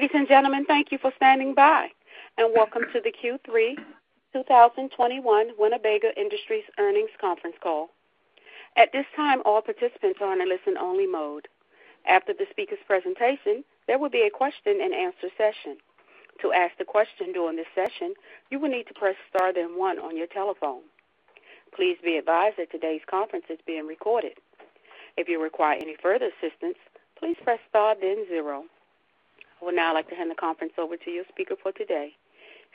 Ladies and gentlemen, thank you for standing by and welcome to the Q3 2021 Winnebago Industries earnings conference call. At this time, all participants are in a listen-only mode. After the speaker's presentation, there will be a question and answer session. To ask a question during this session, you will need to press star then one on your telephone. Please be advised that today's conference is being recorded. If you require any further assistance, please press star then zero. I would now like to hand the conference over to your speaker for today,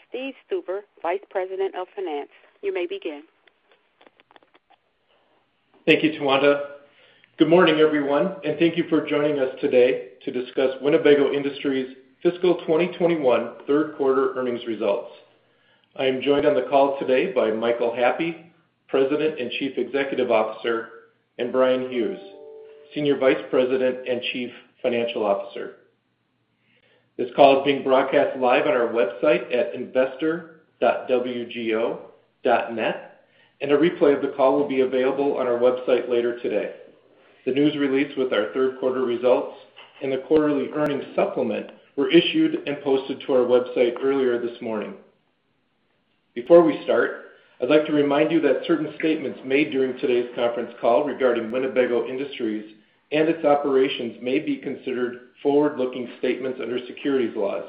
Steve Stuber, Vice President of Finance. You may begin. Thank you, Tawanda. Good morning, everyone, and thank you for joining us today to discuss Winnebago Industries' fiscal 2021 third quarter earnings results. I am joined on the call today by Michael Happe, President and Chief Executive Officer, and Bryan Hughes, Senior Vice President and Chief Financial Officer. This call is being broadcast live on our website at investor.wgo.net, and a replay of the call will be available on our website later today. The news release with our third quarter results and the quarterly earnings supplement were issued and posted to our website earlier this morning. Before we start, I'd like to remind you that certain statements made during today's conference call regarding Winnebago Industries and its operations may be considered forward-looking statements under securities laws.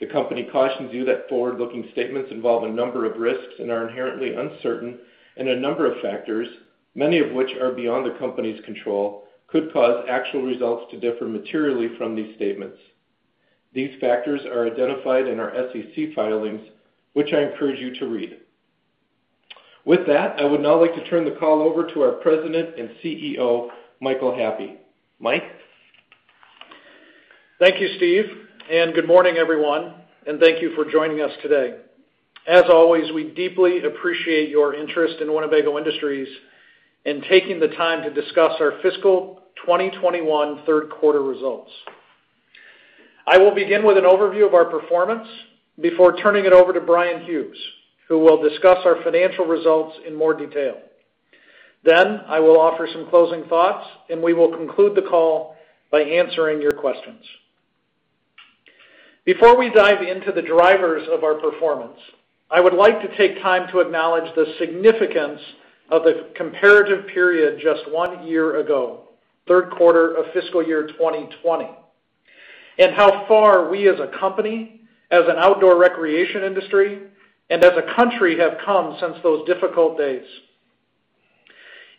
The company cautions you that forward-looking statements involve a number of risks and are inherently uncertain, and a number of factors, many of which are beyond the company's control, could cause actual results to differ materially from these statements. These factors are identified in our SEC filings, which I encourage you to read. With that, I would now like to turn the call over to our President and CEO, Michael Happe. Mike? Thank you, Steve, and good morning, everyone, and thank you for joining us today. As always, we deeply appreciate your interest in Winnebago Industries and taking the time to discuss our fiscal 2021 third quarter results. I will begin with an overview of our performance before turning it over to Bryan Hughes, who will discuss our financial results in more detail. I will offer some closing thoughts, and we will conclude the call by answering your questions. Before we dive into the drivers of our performance, I would like to take time to acknowledge the significance of the comparative period just one year ago, third quarter of fiscal year 2020, and how far we as a company, as an outdoor recreation industry, and as a country have come since those difficult days.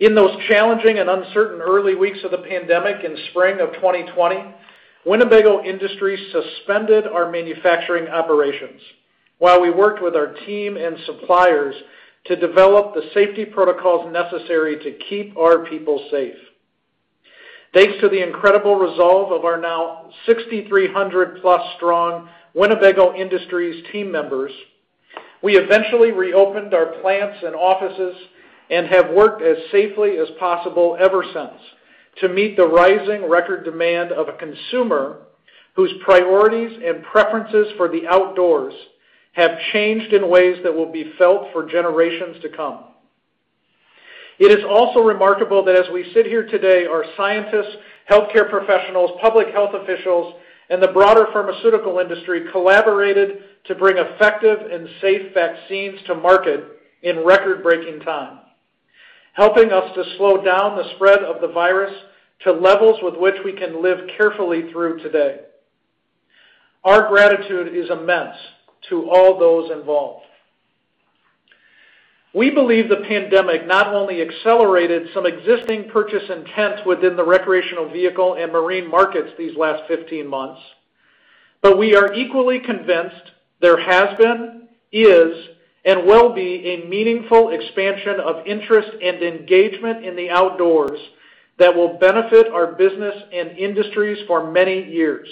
In those challenging and uncertain early weeks of the pandemic in spring of 2020, Winnebago Industries suspended our manufacturing operations while we worked with our team and suppliers to develop the safety protocols necessary to keep our people safe. Thanks to the incredible resolve of our now 6,300+ strong Winnebago Industries team members, we eventually reopened our plants and offices and have worked as safely as possible ever since to meet the rising record demand of a consumer whose priorities and preferences for the outdoors have changed in ways that will be felt for generations to come. It is also remarkable that as we sit here today, our scientists, healthcare professionals, public health officials, and the broader pharmaceutical industry collaborated to bring effective and safe vaccines to market in record-breaking time, helping us to slow down the spread of the virus to levels with which we can live carefully through today. Our gratitude is immense to all those involved. We believe the pandemic not only accelerated some existing purchase intents within the recreational vehicle and marine markets these last 15 months, but we are equally convinced there has been, is, and will be a meaningful expansion of interest and engagement in the outdoors that will benefit our business and industries for many years,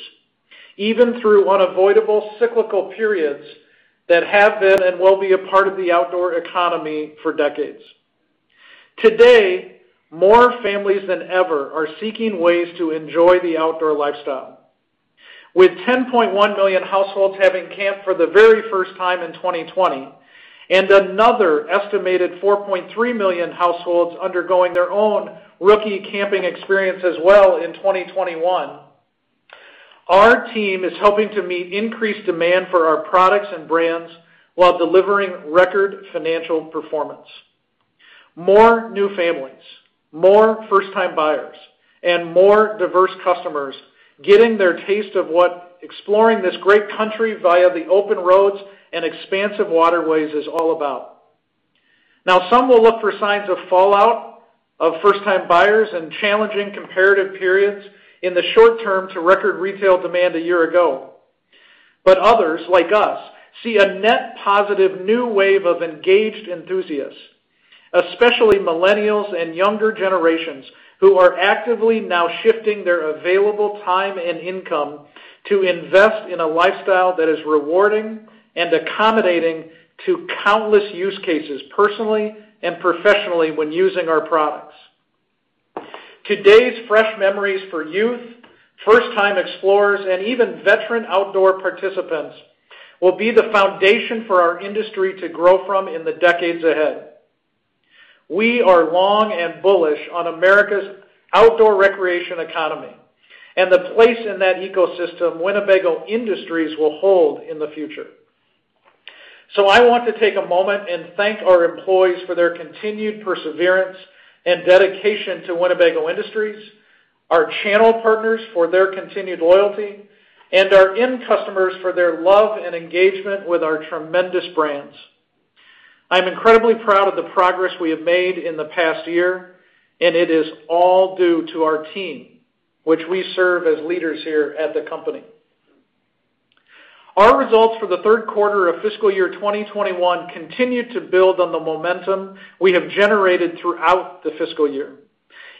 even through unavoidable cyclical periods that have been and will be a part of the outdoor economy for decades. Today, more families than ever are seeking ways to enjoy the outdoor lifestyle. With 10.1 million households having camped for the very first time in 2020 and another estimated 4.3 million households undergoing their own rookie camping experience as well in 2021, our team is helping to meet increased demand for our products and brands while delivering record financial performance. More new families, more first-time buyers, and more diverse customers getting their taste of what exploring this great country via the open roads and expansive waterways is all about. Now, some will look for signs of fallout of first-time buyers and challenging comparative periods in the short term to record retail demand a year ago. Others, like us, see a net positive new wave of engaged enthusiasts, especially millennials and younger generations, who are actively now shifting their available time and income to invest in a lifestyle that is rewarding and accommodating to countless use cases personally and professionally when using our products. Today's fresh memories for youth, first-time explorers, and even veteran outdoor participants will be the foundation for our industry to grow from in the decades ahead. We are long and bullish on America's outdoor recreation economy and the place in that ecosystem Winnebago Industries will hold in the future. I want to take a moment and thank our employees for their continued perseverance and dedication to Winnebago Industries, our channel partners for their continued loyalty, and our end customers for their love and engagement with our tremendous brands. I'm incredibly proud of the progress we have made in the past year, and it is all due to our team, which we serve as leaders here at the company. Our results for the third quarter of fiscal year 2021 continue to build on the momentum we have generated throughout the fiscal year.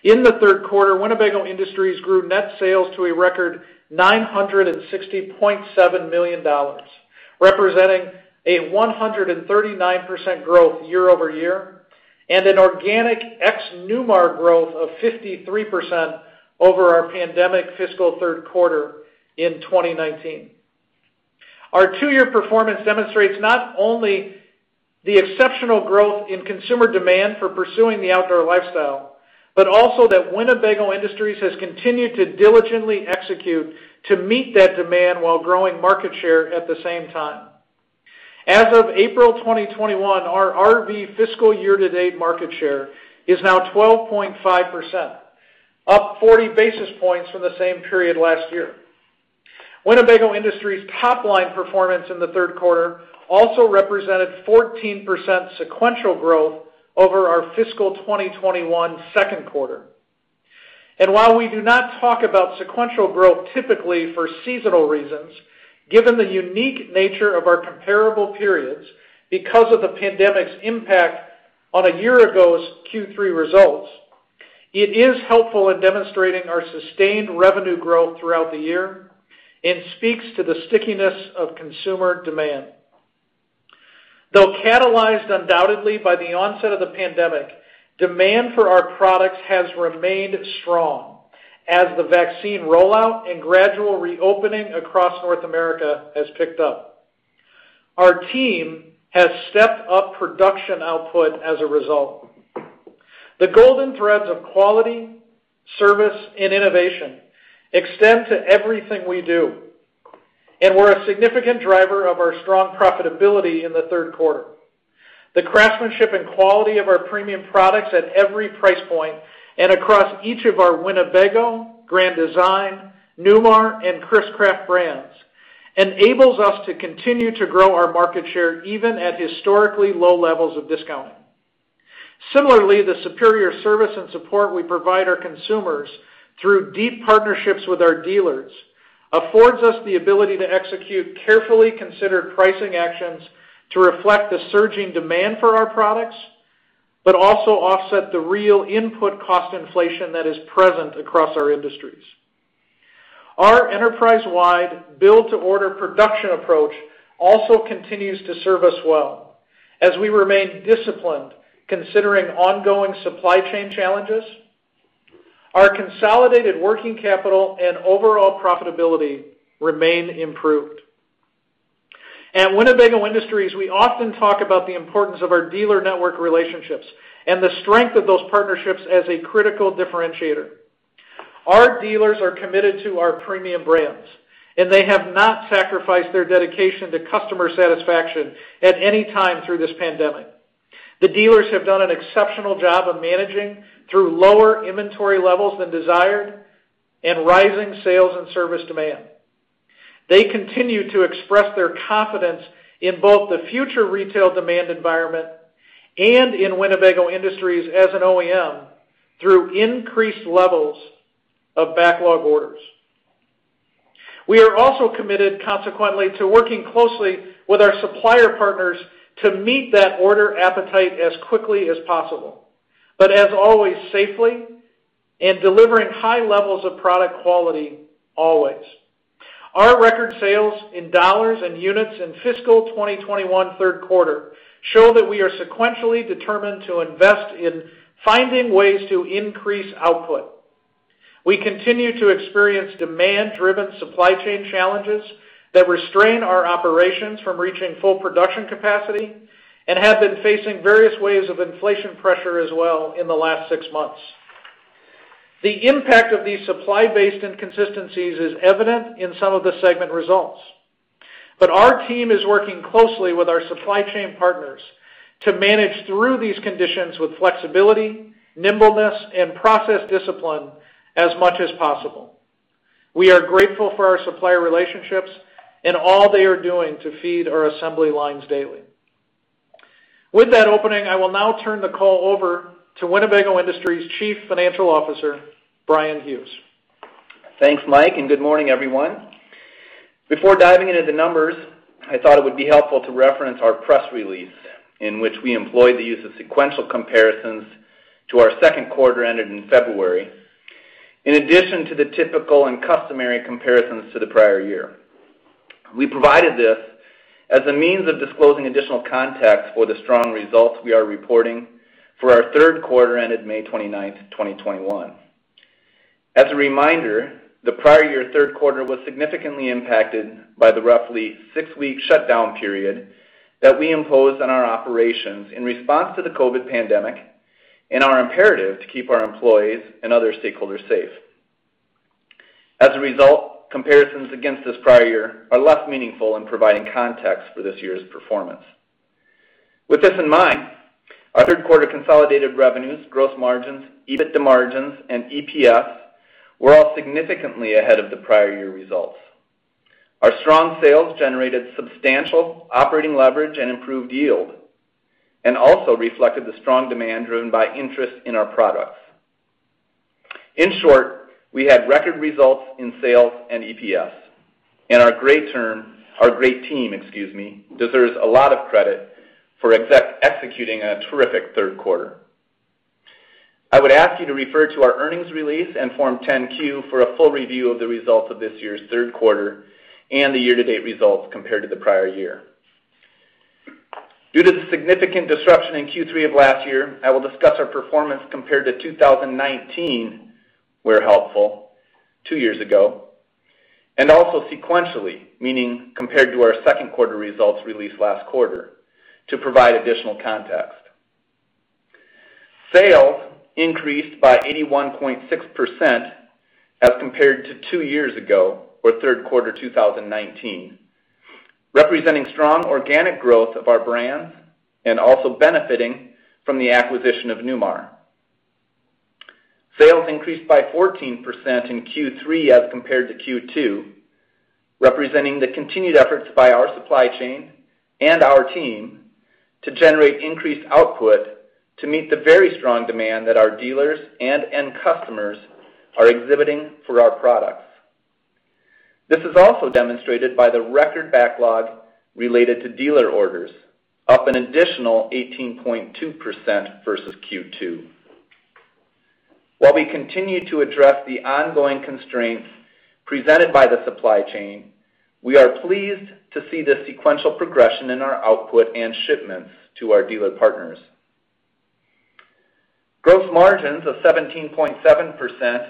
In the third quarter, Winnebago Industries grew net sales to a record $960.7 million, representing a 139% growth year-over-year and an organic ex-Newmar growth of 53% over our pandemic fiscal third quarter in 2019. Our two-year performance demonstrates not only the exceptional growth in consumer demand for pursuing the outdoor lifestyle, but also that Winnebago Industries has continued to diligently execute to meet that demand while growing market share at the same time. As of April 2021, our RV fiscal year-to-date market share is now 12.5%, up 40 basis points from the same period last year. Winnebago Industries' top-line performance in the third quarter also represented 14% sequential growth over our fiscal 2021 second quarter. While we do not talk about sequential growth typically for seasonal reasons, given the unique nature of our comparable periods because of the pandemic's impact on a year ago's Q3 results, it is helpful in demonstrating our sustained revenue growth throughout the year and speaks to the stickiness of consumer demand. Though catalyzed undoubtedly by the onset of the pandemic, demand for our products has remained strong as the vaccine rollout and gradual reopening across North America has picked up. Our team has stepped up production output as a result. The golden threads of quality, service, and innovation extend to everything we do and were a significant driver of our strong profitability in the third quarter. The craftsmanship and quality of our premium products at every price point and across each of our Winnebago, Grand Design, Newmar, and Chris-Craft brands enables us to continue to grow our market share even at historically low levels of discounting. Similarly, the superior service and support we provide our consumers through deep partnerships with our dealers affords us the ability to execute carefully considered pricing actions to reflect the surging demand for our products, but also offset the real input cost inflation that is present across our industries. Our enterprise-wide build-to-order production approach also continues to serve us well as we remain disciplined considering ongoing supply chain challenges. Our consolidated working capital and overall profitability remain improved. At Winnebago Industries, we often talk about the importance of our dealer network relationships and the strength of those partnerships as a critical differentiator. Our dealers are committed to our premium brands, and they have not sacrificed their dedication to customer satisfaction at any time through this pandemic. The dealers have done an exceptional job of managing through lower inventory levels than desired and rising sales and service demand. They continue to express their confidence in both the future retail demand environment and in Winnebago Industries as an OEM through increased levels of backlog orders. We are also committed, consequently, to working closely with our supplier partners to meet that order appetite as quickly as possible, but as always, safely and delivering high levels of product quality always. Our record sales in dollars and units in fiscal 2021 third quarter show that we are sequentially determined to invest in finding ways to increase output. We continue to experience demand-driven supply chain challenges that restrain our operations from reaching full production capacity and have been facing various waves of inflation pressure as well in the last six months. The impact of these supply-based inconsistencies is evident in some of the segment results, but our team is working closely with our supply chain partners to manage through these conditions with flexibility, nimbleness, and process discipline as much as possible. We are grateful for our supplier relationships and all they are doing to feed our assembly lines daily. With that opening, I will now turn the call over to Winnebago Industries Chief Financial Officer, Bryan Hughes. Thanks, Mike, and good morning, everyone. Before diving into numbers, I thought it would be helpful to reference our press release in which we employ the use of sequential comparisons to our second quarter ended in February, in addition to the typical and customary comparisons to the prior year. We provided this as a means of disclosing additional context for the strong results we are reporting for our third quarter ended May 29th, 2021. As a reminder, the prior year third quarter was significantly impacted by the roughly six-week shutdown period that we imposed on our operations in response to the COVID pandemic and our imperative to keep our employees and other stakeholders safe. As a result, comparisons against this prior year are less meaningful in providing context for this year's performance. With this in mind, our third quarter consolidated revenues, gross margins, EBITDA margins, and EPS were all significantly ahead of the prior year results. Our strong sales generated substantial operating leverage and improved yield and also reflected the strong demand driven by interest in our products. In short, we had record results in sales and EPS, and our great team deserves a lot of credit for executing on a terrific third quarter. I would ask you to refer to our earnings release and Form 10-Q for a full review of the results of this year's third quarter and the year-to-date results compared to the prior year. Due to the significant disruption in Q3 of last year, I will discuss our performance compared to 2019, where helpful, two years ago, and also sequentially, meaning compared to our second quarter results released last quarter to provide additional context. Sales increased by 81.6% as compared to two years ago for third quarter 2019, representing strong organic growth of our brands and also benefiting from the acquisition of Newmar. Sales increased by 14% in Q3 as compared to Q2, representing the continued efforts by our supply chain and our team to generate increased output to meet the very strong demand that our dealers and end customers are exhibiting for our products. This is also demonstrated by the record backlog related to dealer orders, up an additional 18.2% versus Q2. While we continue to address the ongoing constraints presented by the supply chain, we are pleased to see the sequential progression in our output and shipments to our dealer partners. Gross margins of 17.7%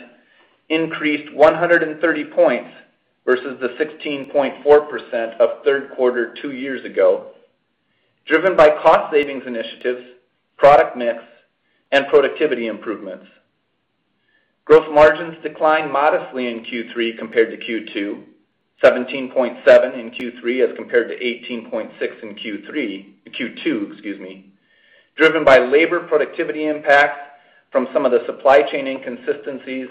increased 130 points versus the 16.4% of third quarter two years ago, driven by cost savings initiatives, product mix, and productivity improvements. Gross margins declined modestly in Q3 compared to Q2, 17.7% in Q3 as compared to 18.6% in Q2, driven by labor productivity impacts from some of the supply chain inconsistencies,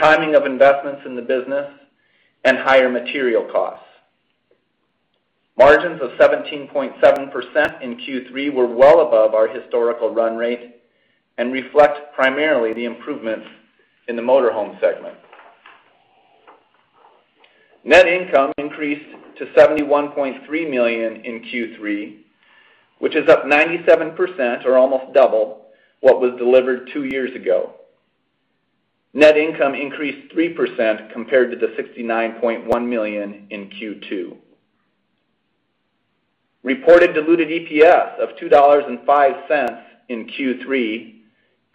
timing of investments in the business, and higher material costs. Margins of 17.7% in Q3 were well above our historical run rate and reflect primarily the improvements in the Motorhome segment. Net income increased to $71.3 million in Q3, which is up 97%, or almost double what was delivered two years ago. Net income increased 3% compared to the $69.1 million in Q2. Reported diluted EPS of $2.05 in Q3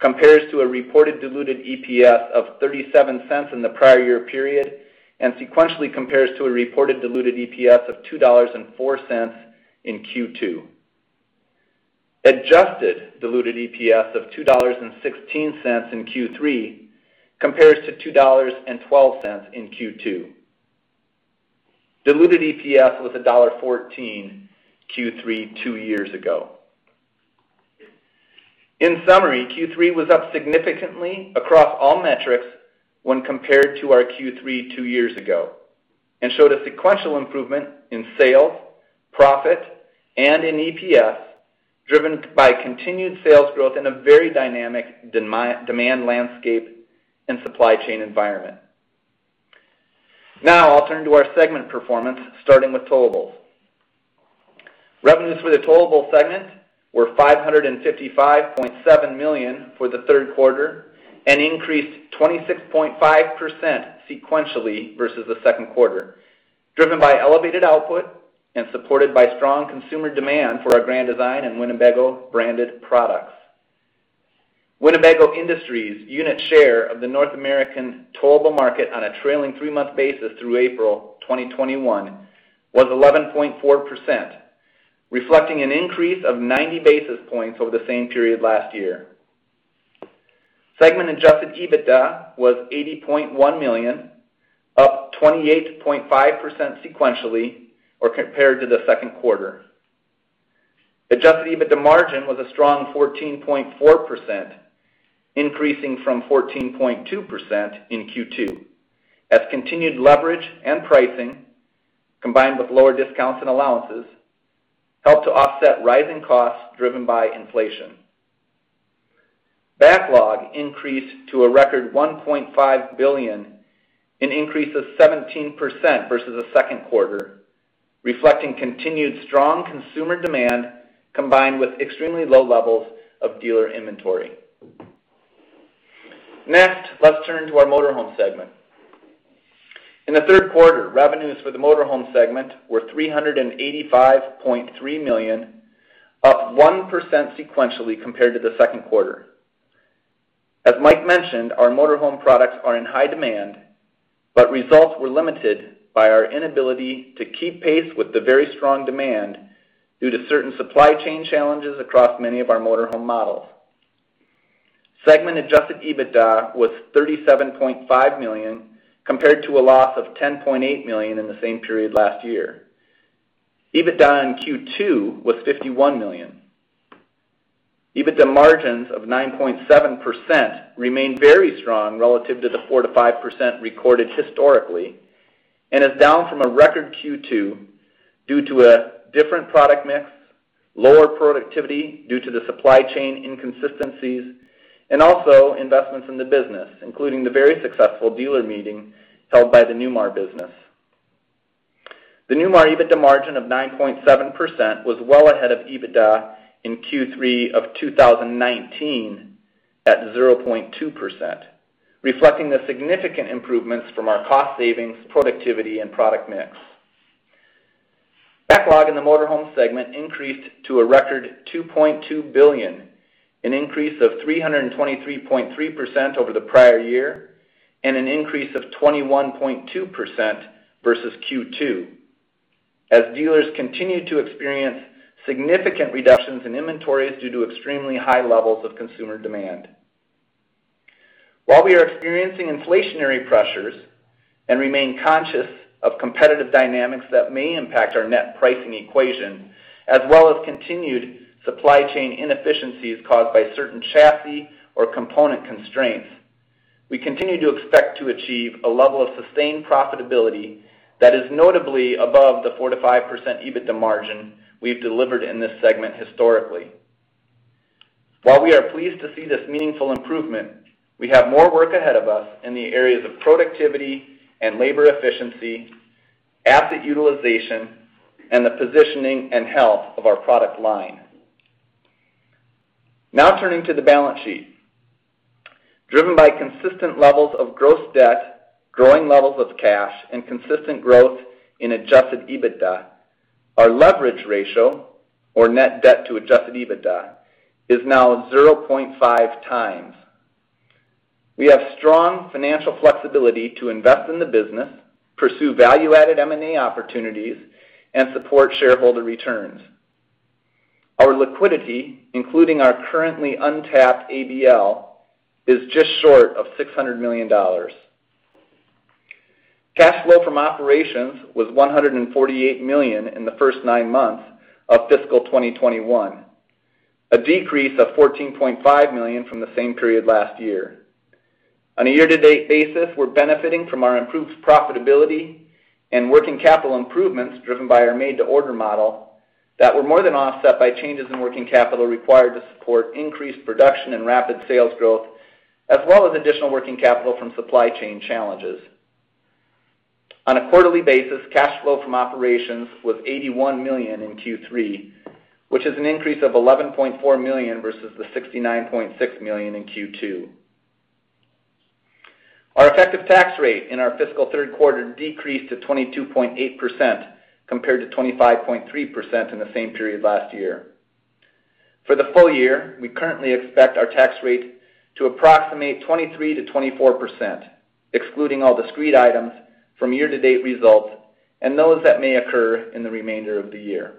compares to a reported diluted EPS of $0.37 in the prior year period and sequentially compares to a reported diluted EPS of $2.04 in Q2. Adjusted diluted EPS of $2.16 in Q3 compares to $2.12 in Q2. Diluted EPS was $1.14 Q3 two years ago. In summary, Q3 was up significantly across all metrics when compared to our Q3 two years ago and showed a sequential improvement in sales, profits, and in EPS driven by continued sales growth in a very dynamic demand landscape and supply chain environment. Now I'll turn to our segment performance starting with Towables. Revenues for the Towable segment were $555.7 million for the third quarter and increased 26.5% sequentially versus the second quarter, driven by elevated output and supported by strong consumer demand for our Grand Design and Winnebago branded products. Winnebago Industries unit share of the North American towable market on a trailing three-month basis through April 2021 was 11.4%, reflecting an increase of 90 basis points over the same period last year. Segment adjusted EBITDA was $80.1 million, up 28.5% sequentially or compared to the second quarter. Adjusted EBITDA margin was a strong 14.4%, increasing from 14.2% in Q2, as continued leverage and pricing, combined with lower discounts and allowances, helped to offset rising costs driven by inflation. Backlog increased to a record $1.5 billion, an increase of 17% versus the second quarter, reflecting continued strong consumer demand combined with extremely low levels of dealer inventory. Next, let's turn to our Motorhome segment. In the third quarter, revenues for the Motorhome segment were $385.3 million, up 1% sequentially compared to the second quarter. As Mike mentioned, our motorhome products are in high demand, but results were limited by our inability to keep pace with the very strong demand due to certain supply chain challenges across many of our motorhome models. Segment adjusted EBITDA was $37.5 million, compared to a loss of $10.8 million in the same period last year. EBITDA in Q2 was $51 million. EBITDA margins of 9.7% remain very strong relative to the 4%-5% recorded historically, and is down from a record Q2 due to a different product mix, lower productivity due to the supply chain inconsistencies, and also investments in the business, including the very successful dealer meeting held by the Newmar business. The Newmar EBITDA margin of 9.7% was well ahead of EBITDA in Q3 of 2019 at 0.2%, reflecting the significant improvements from our cost savings, productivity, and product mix. Backlog in the Motorhome segment increased to a record $2.2 billion, an increase of 323.3% over the prior year, and an increase of 21.2% versus Q2, as dealers continue to experience significant reductions in inventories due to extremely high levels of consumer demand. While we are experiencing inflationary pressures and remain conscious of competitive dynamics that may impact our net pricing equation, as well as continued supply chain inefficiencies caused by certain chassis or component constraints, we continue to expect to achieve a level of sustained profitability that is notably above the 4%-5% EBITDA margin we've delivered in this segment historically. While we are pleased to see this meaningful improvement, we have more work ahead of us in the areas of productivity and labor efficiency, asset utilization, and the positioning and health of our product line. Turning to the balance sheet. Driven by consistent levels of gross debt, growing levels of cash, and consistent growth in adjusted EBITDA, our leverage ratio, or net debt to adjusted EBITDA, is now 0.5x. We have strong financial flexibility to invest in the business, pursue value-added M&A opportunities, and support shareholder returns. Our liquidity, including our currently untapped ABL, is just short of $600 million. Cash flow from operations was $148 million in the first nine months of fiscal 2021, a decrease of $14.5 million from the same period last year. On a year-to-date basis, we're benefiting from our improved profitability and working capital improvements driven by our made-to-order model that were more than offset by changes in working capital required to support increased production and rapid sales growth, as well as additional working capital from supply chain challenges. On a quarterly basis, cash flow from operations was $81 million in Q3, which is an increase of $11.4 million versus the $69.6 million in Q2. Our effective tax rate in our fiscal third quarter decreased to 22.8%, compared to 25.3% in the same period last year. For the full year, we currently expect our tax rate to approximate 23%-24%, excluding all discrete items from year-to-date results and those that may occur in the remainder of the year.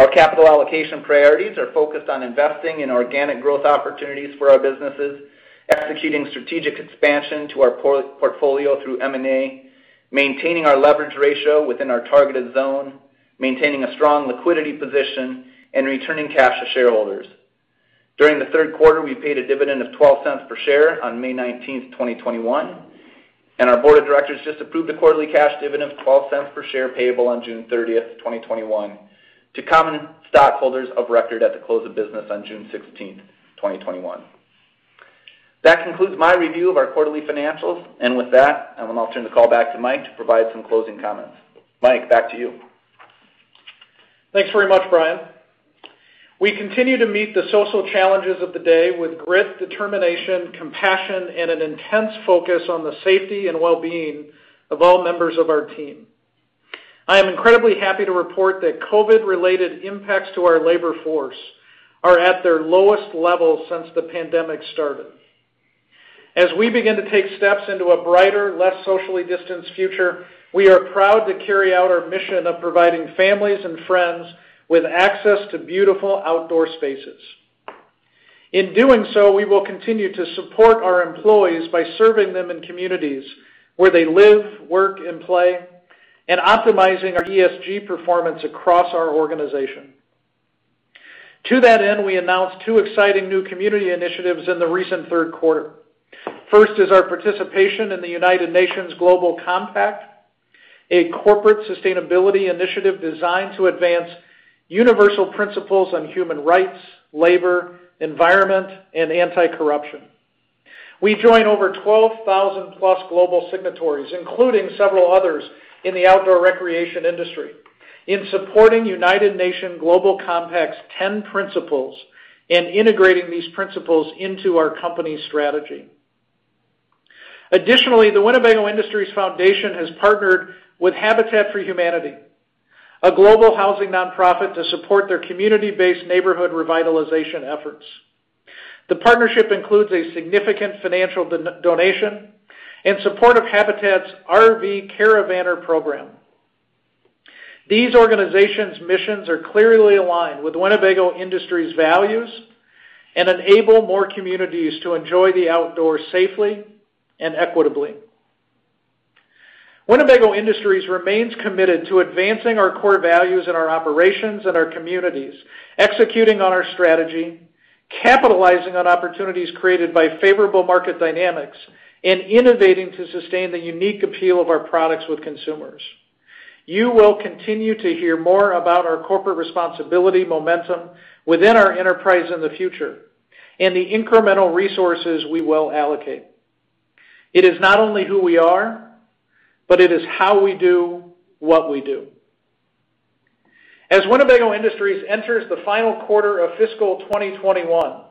Our capital allocation priorities are focused on investing in organic growth opportunities for our businesses, executing strategic expansion to our portfolio through M&A, maintaining our leverage ratio within our targeted zone, maintaining a strong liquidity position, and returning cash to shareholders. During the third quarter, we paid a dividend of $0.12 per share on May 19th, 2021. Our board of directors just approved a quarterly cash dividend of $0.12 per share payable on June 30th, 2021 to common stockholders of record at the close of business on June 16th, 2021. That concludes my review of our quarterly financials. With that, I'll now turn the call back to Mike to provide some closing comments. Mike, back to you. Thanks very much, Bryan. We continue to meet the social challenges of the day with grit, determination, compassion, and an intense focus on the safety and well-being of all members of our team. I am incredibly happy to report that COVID-related impacts to our labor force are at their lowest level since the pandemic started. As we begin to take steps into a brighter, less socially distanced future, we are proud to carry out our mission of providing families and friends with access to beautiful outdoor spaces. In doing so, we will continue to support our employees by serving them in communities where they live, work, and play, and optimizing our ESG performance across our organization. To that end, we announced two exciting new community initiatives in the recent third quarter. First is our participation in the United Nations Global Compact, a corporate sustainability initiative designed to advance universal principles on human rights, labor, environment, and anti-corruption. We join over 12,000+ global signatories, including several others in the outdoor recreation industry. In supporting United Nations Global Compact's 10 principles and integrating these principles into our company strategy. Additionally, the Winnebago Industries Foundation has partnered with Habitat for Humanity, a global housing nonprofit, to support their community-based neighborhood revitalization efforts. The partnership includes a significant financial donation in support of Habitat's RV Care-A-Vanner program. These organizations' missions are clearly aligned with Winnebago Industries' values and enable more communities to enjoy the outdoors safely and equitably. Winnebago Industries remains committed to advancing our core values in our operations and our communities, executing on our strategy, capitalizing on opportunities created by favorable market dynamics, and innovating to sustain the unique appeal of our products with consumers. You will continue to hear more about our corporate responsibility momentum within our enterprise in the future and the incremental resources we will allocate. It is not only who we are, but it is how we do what we do. As Winnebago Industries enters the final quarter of fiscal 2021,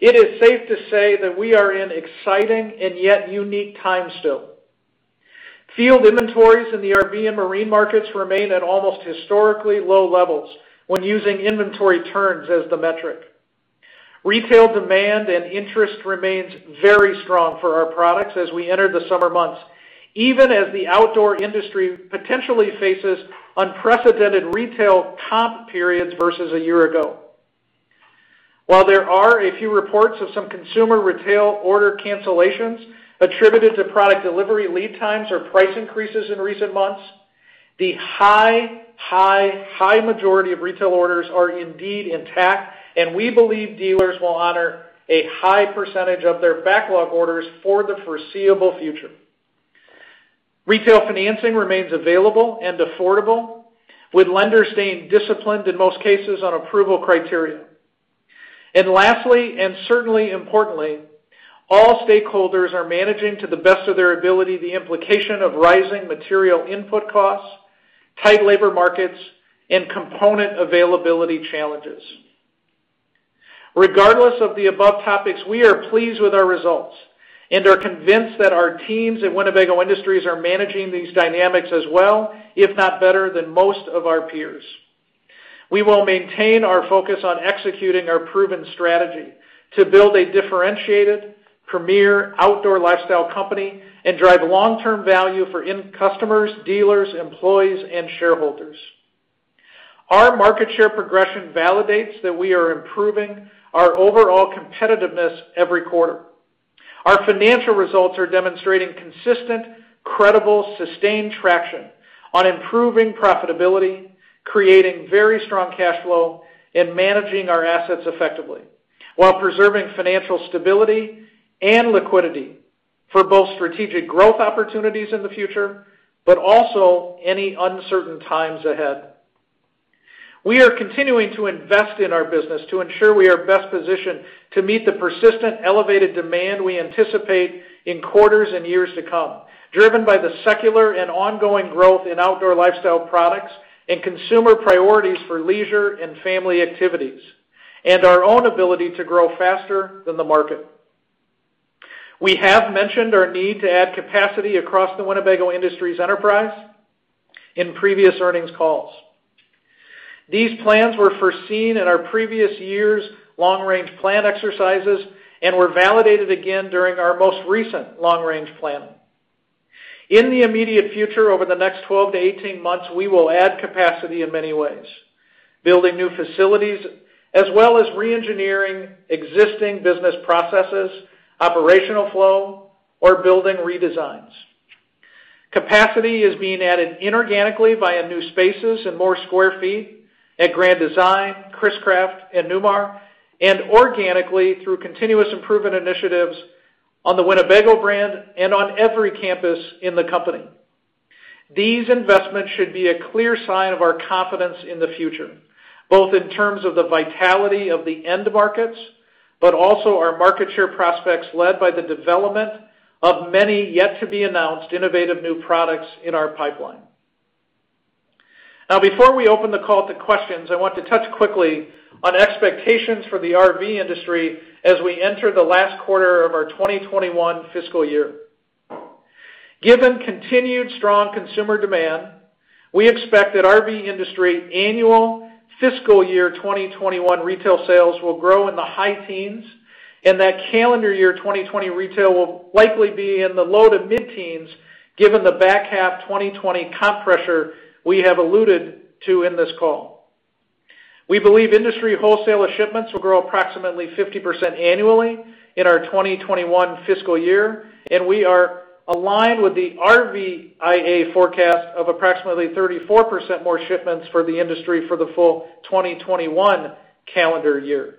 it is safe to say that we are in exciting and yet unique times still. Field inventories in the RV and marine markets remain at almost historically low levels when using inventory turns as the metric. Retail demand and interest remains very strong for our products as we enter the summer months, even as the outdoor industry potentially faces unprecedented retail comp periods versus a year ago. While there are a few reports of some consumer retail order cancellations attributed to product delivery lead times or price increases in recent months, the high majority of retail orders are indeed intact, and we believe dealers will honor a high percentage of their backlog orders for the foreseeable future. Retail financing remains available and affordable, with lenders staying disciplined in most cases on approval criteria. Lastly, and certainly importantly, all stakeholders are managing to the best of their ability the implication of rising material input costs, tight labor markets, and component availability challenges. Regardless of the above topics, we are pleased with our results and are convinced that our teams at Winnebago Industries are managing these dynamics as well, if not better than most of our peers. We will maintain our focus on executing our proven strategy to build a differentiated, premier outdoor lifestyle company and drive long-term value for end customers, dealers, employees, and shareholders. Our market share progression validates that we are improving our overall competitiveness every quarter. Our financial results are demonstrating consistent, credible, sustained traction on improving profitability, creating very strong cash flow, and managing our assets effectively while preserving financial stability and liquidity for both strategic growth opportunities in the future, but also any uncertain times ahead. We are continuing to invest in our business to ensure we are best positioned to meet the persistent elevated demand we anticipate in quarters and years to come, driven by the secular and ongoing growth in outdoor lifestyle products and consumer priorities for leisure and family activities, and our own ability to grow faster than the market. We have mentioned our need to add capacity across the Winnebago Industries enterprise in previous earnings calls. These plans were foreseen in our previous years' long-range plan exercises and were validated again during our most recent long-range planning. In the immediate future, over the next 12-18 months, we will add capacity in many ways, building new facilities as well as re-engineering existing business processes, operational flow, or building redesigns. Capacity is being added inorganically via new spaces and more square feet at Grand Design, Chris-Craft, and Newmar, and organically through continuous improvement initiatives on the Winnebago brand and on every campus in the company. These investments should be a clear sign of our confidence in the future, both in terms of the vitality of the end markets, but also our market share prospects led by the development of many yet-to-be-announced innovative new products in our pipeline. Before we open the call to questions, I want to touch quickly on expectations for the RV industry as we enter the last quarter of our 2021 fiscal year. Given continued strong consumer demand, we expect that RV industry annual fiscal year 2021 retail sales will grow in the high teens, and that calendar year 2020 retail will likely be in the low to mid-teens, given the back half 2020 comp pressure we have alluded to in this call. We believe industry wholesale shipments will grow approximately 50% annually in our 2021 fiscal year, and we are aligned with the RVIA forecast of approximately 34% more shipments for the industry for the full 2021 calendar year.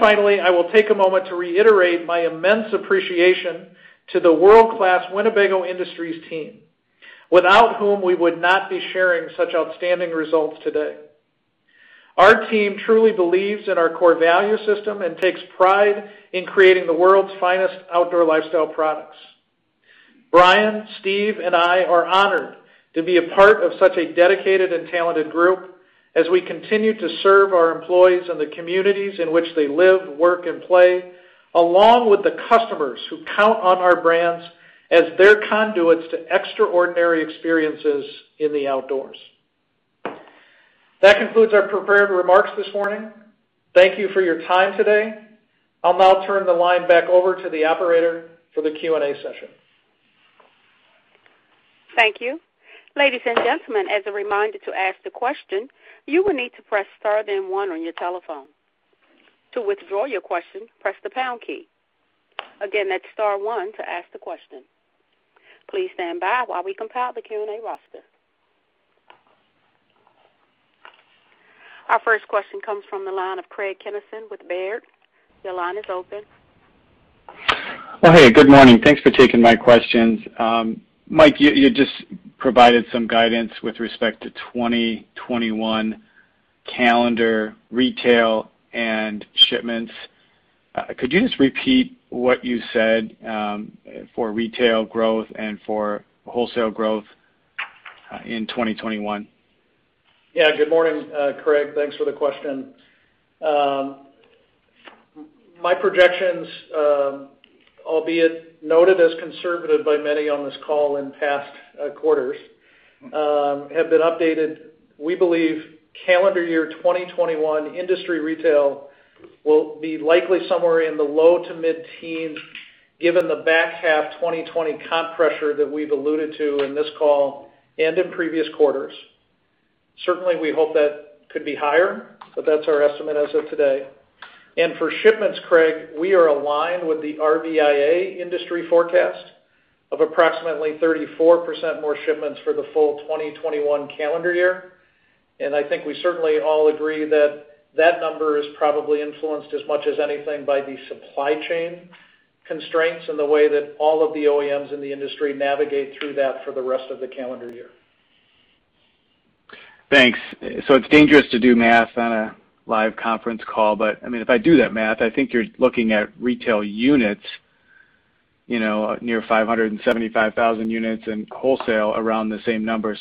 Finally, I will take a moment to reiterate my immense appreciation to the world-class Winnebago Industries team, without whom we would not be sharing such outstanding results today. Our team truly believes in our core value system and takes pride in creating the world's finest outdoor lifestyle products. Bryan, Steve, and I are honored to be a part of such a dedicated and talented group as we continue to serve our employees in the communities in which they live, work, and play, along with the customers who count on our brands as their conduits to extraordinary experiences in the outdoors. That concludes our prepared remarks this morning. Thank you for your time today. I'll now turn the line back over to the operator for the Q&A session. Thank you. Ladies and gentlemen, as a reminder to ask the question, you will need to press star then one on your telephone. To withdraw your question, press the pound key. Again, that's star one to ask the question. Please stand by while we compile the Q&A roster. Our first question comes from the line of Craig Kennison with Baird. Your line is open. Hey, good morning. Thanks for taking my questions. Mike, you just provided some guidance with respect to 2021 calendar retail and shipments. Could you just repeat what you said for retail growth and for wholesale growth in 2021? Good morning, Craig. Thanks for the question. My projections, albeit noted as conservative by many on this call in past quarters, have been updated. We believe calendar year 2021 industry retail will be likely somewhere in the low to mid-teens given the back half 2020 comp pressure that we've alluded to in this call and in previous quarters. Certainly, we hope that could be higher, but that's our estimate as of today. For shipments, Craig, we are aligned with the RVIA industry forecast of approximately 34% more shipments for the full 2021 calendar year. I think we certainly all agree that that number is probably influenced as much as anything by the supply chain constraints and the way that all of the OEMs in the industry navigate through that for the rest of the calendar year. Thanks. It's dangerous to do math on a live conference call. If I do that math, I think you're looking at retail units near 575,000 units and wholesale around the same number.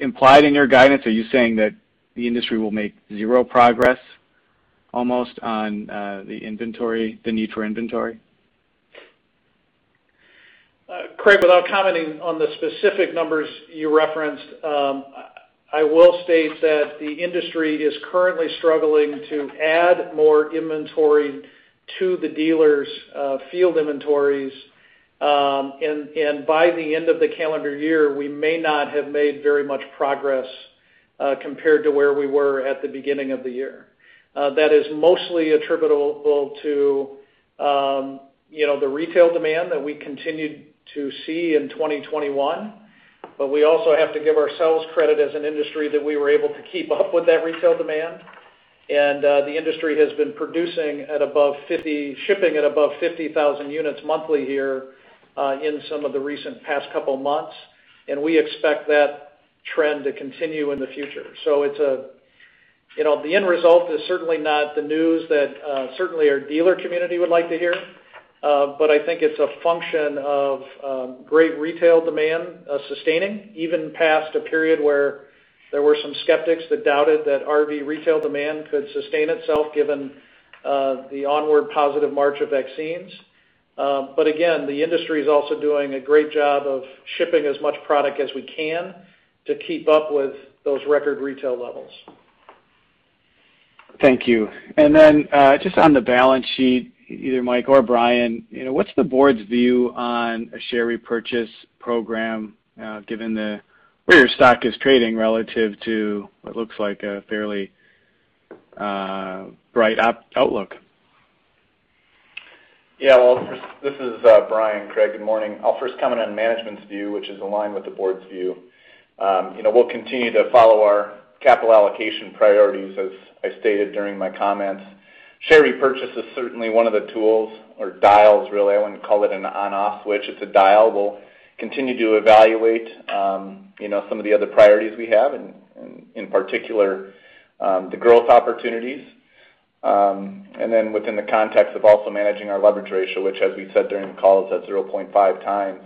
Implied in your guidance, are you saying that the industry will make zero progress almost on the inventory, the need for inventory? Craig, without commenting on the specific numbers you referenced, I will state that the industry is currently struggling to add more inventory to the dealers' field inventories. By the end of the calendar year, we may not have made very much progress compared to where we were at the beginning of the year. That is mostly attributable to the retail demand that we continued to see in 2021. We also have to give ourselves credit as an industry that we were able to keep up with that retail demand. The industry has been shipping at above 50,000 units monthly here in some of the recent past couple of months. We expect that trend to continue in the future. The end result is certainly not the news that certainly our dealer community would like to hear. I think it's a function of great retail demand sustaining, even past a period where there were some skeptics that doubted that RV retail demand could sustain itself given the onward positive march of vaccines. Again, the industry is also doing a great job of shipping as much product as we can to keep up with those record retail levels. Thank you. Just on the balance sheet, either Mike or Bryan, what's the board's view on a share repurchase program given where your stock is trading relative to what looks like a fairly bright outlook? Yeah. Well, this is Bryan, Craig. Good morning. I'll first comment on management's view, which is aligned with the board's view. We'll continue to follow our capital allocation priorities, as I stated during my comments. Share repurchase is certainly one of the tools or dials, really. I wouldn't call it an on/off switch. It's a dial we'll continue to evaluate some of the other priorities we have, and in particular, the growth opportunities. Within the context of also managing our leverage ratio, which as we said during the call is at 0.5x.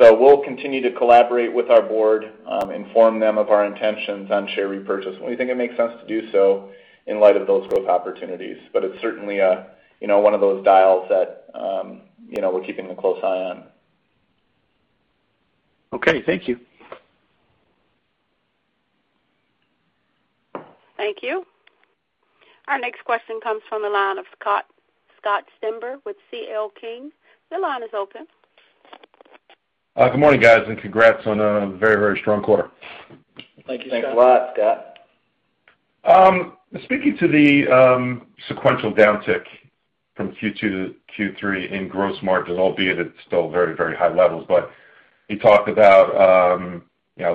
We'll continue to collaborate with our board, inform them of our intentions on share repurchase when we think it makes sense to do so in light of those growth opportunities. It's certainly one of those dials that we're keeping a close eye on. Okay. Thank you. Thank you. Our next question comes from the line of Scott Stember with CL King. The line is open. Good morning, guys, and congrats on a very, very strong quarter. Thank you, Scott. Thanks a lot, Scott. Speaking to the sequential downtick from Q2 to Q3 in gross margins, albeit at still very, very high levels. You talk about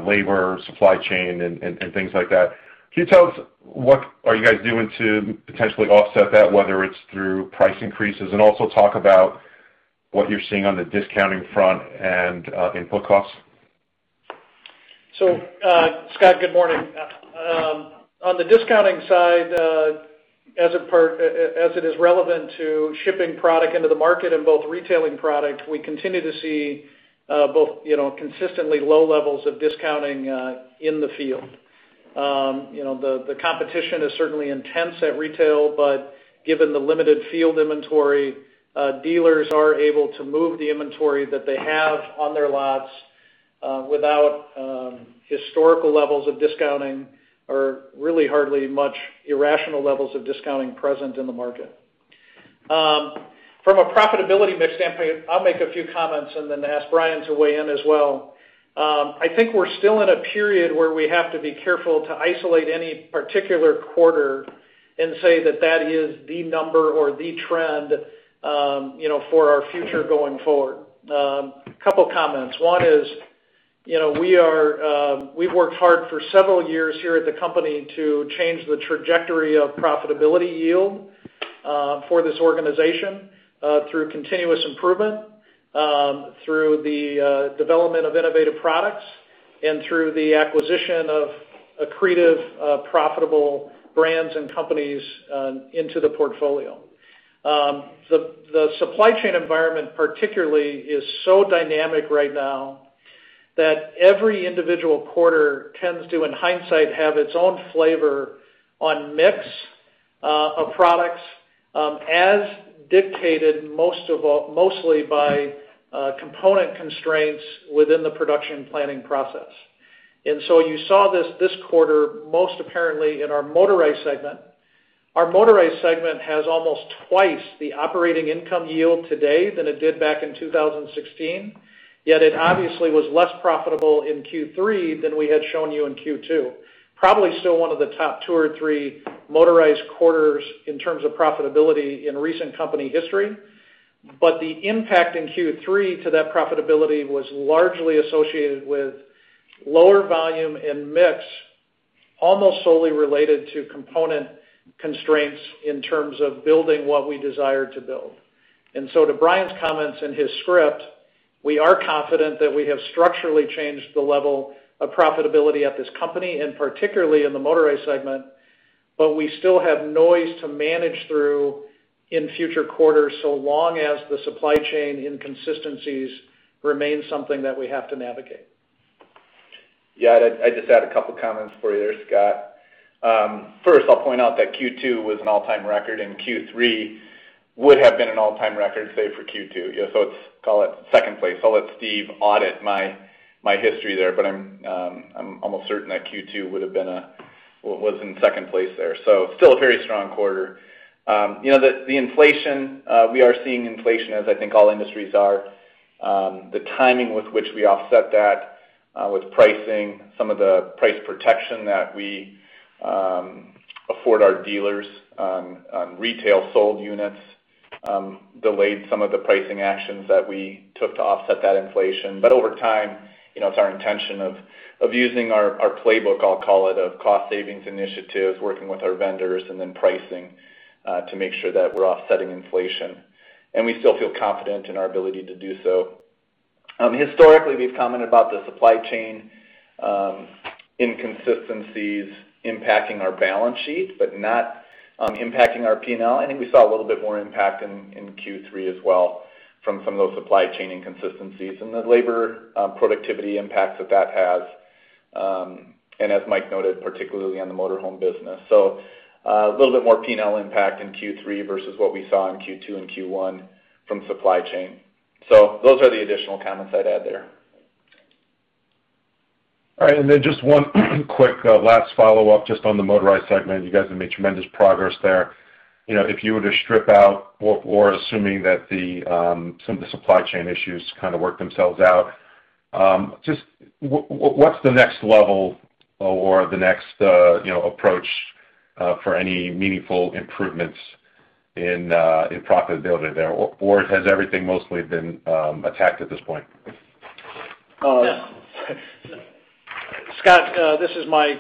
labor, supply chain, and things like that. Can you tell us what are you guys doing to potentially offset that, whether it's through price increases? Also talk about what you're seeing on the discounting front and input costs? Scott, good morning. On the discounting side, as it is relevant to shipping product into the market and both retailing product, we continue to see both consistently low levels of discounting in the field. The competition is certainly intense at retail, but given the limited field inventory, dealers are able to move the inventory that they have on their lots without historical levels of discounting, or really hardly much irrational levels of discounting present in the market. From a profitability mix standpoint, I'll make a few comments and then ask Bryan to weigh in as well. I think we're still in a period where we have to be careful to isolate any particular quarter and say that that is the number or the trend for our future going forward. A couple of comments. One is, we've worked hard for several years here at the company to change the trajectory of profitability yield for this organization through continuous improvement, through the development of innovative products, and through the acquisition of accretive profitable brands and companies into the portfolio. The supply chain environment particularly is so dynamic right now that every individual quarter tends to, in hindsight, have its own flavor on mix of products, as dictated mostly by component constraints within the production planning process. You saw this this quarter most apparently in our motorized segment. Our motorized segment has almost twice the operating income yield today than it did back in 2016, yet it obviously was less profitable in Q3 than we had shown you in Q2. Probably still one of the top one of the top two or three motorized quarters in terms of profitability in recent company history, the impact in Q3 to that profitability was largely associated with lower volume and mix, almost solely related to component constraints in terms of building what we desire to build. To Bryan's comments in his script, we are confident that we have structurally changed the level of profitability at this company, particularly in the motorized segment, we still have noise to manage through in future quarters so long as the supply chain inconsistencies remain something that we have to navigate. Yeah, I just had a couple comments for you there, Scott. I'll point out that Q2 was an all-time record, and Q3 would have been an all-time record save for Q2. Let's call it second place. I'll let Steve audit my history there, but I'm almost certain that Q2 was in second place there. Still a very strong quarter. The inflation, we are seeing inflation as I think all industries are. The timing with which we offset that with pricing, some of the price protection that we afford our dealers on retail-sold units delayed some of the pricing actions that we took to offset that inflation. Over time, it's our intention of using our playbook, I'll call it, of cost-savings initiatives, working with our vendors and then pricing to make sure that we're offsetting inflation. We still feel confident in our ability to do so. Historically, we've commented about the supply chain inconsistencies impacting our balance sheets but not impacting our P&L. I think we saw a little bit more impact in Q3 as well from some of those supply chain inconsistencies and the labor productivity impact that has. As Mike noted, particularly on the motorhome business. A little bit more P&L impact in Q3 versus what we saw in Q2 and Q1 from supply chain. Those are the additional comments I'd add there. All right, just one quick last follow-up just on the motorized segment. You guys have made tremendous progress there. If you were to strip out or assuming that some of the supply chain issues kind of work themselves out, just what's the next level or the next approach for any meaningful improvements in profitability there? Has everything mostly been attacked at this point? Scott, this is Mike.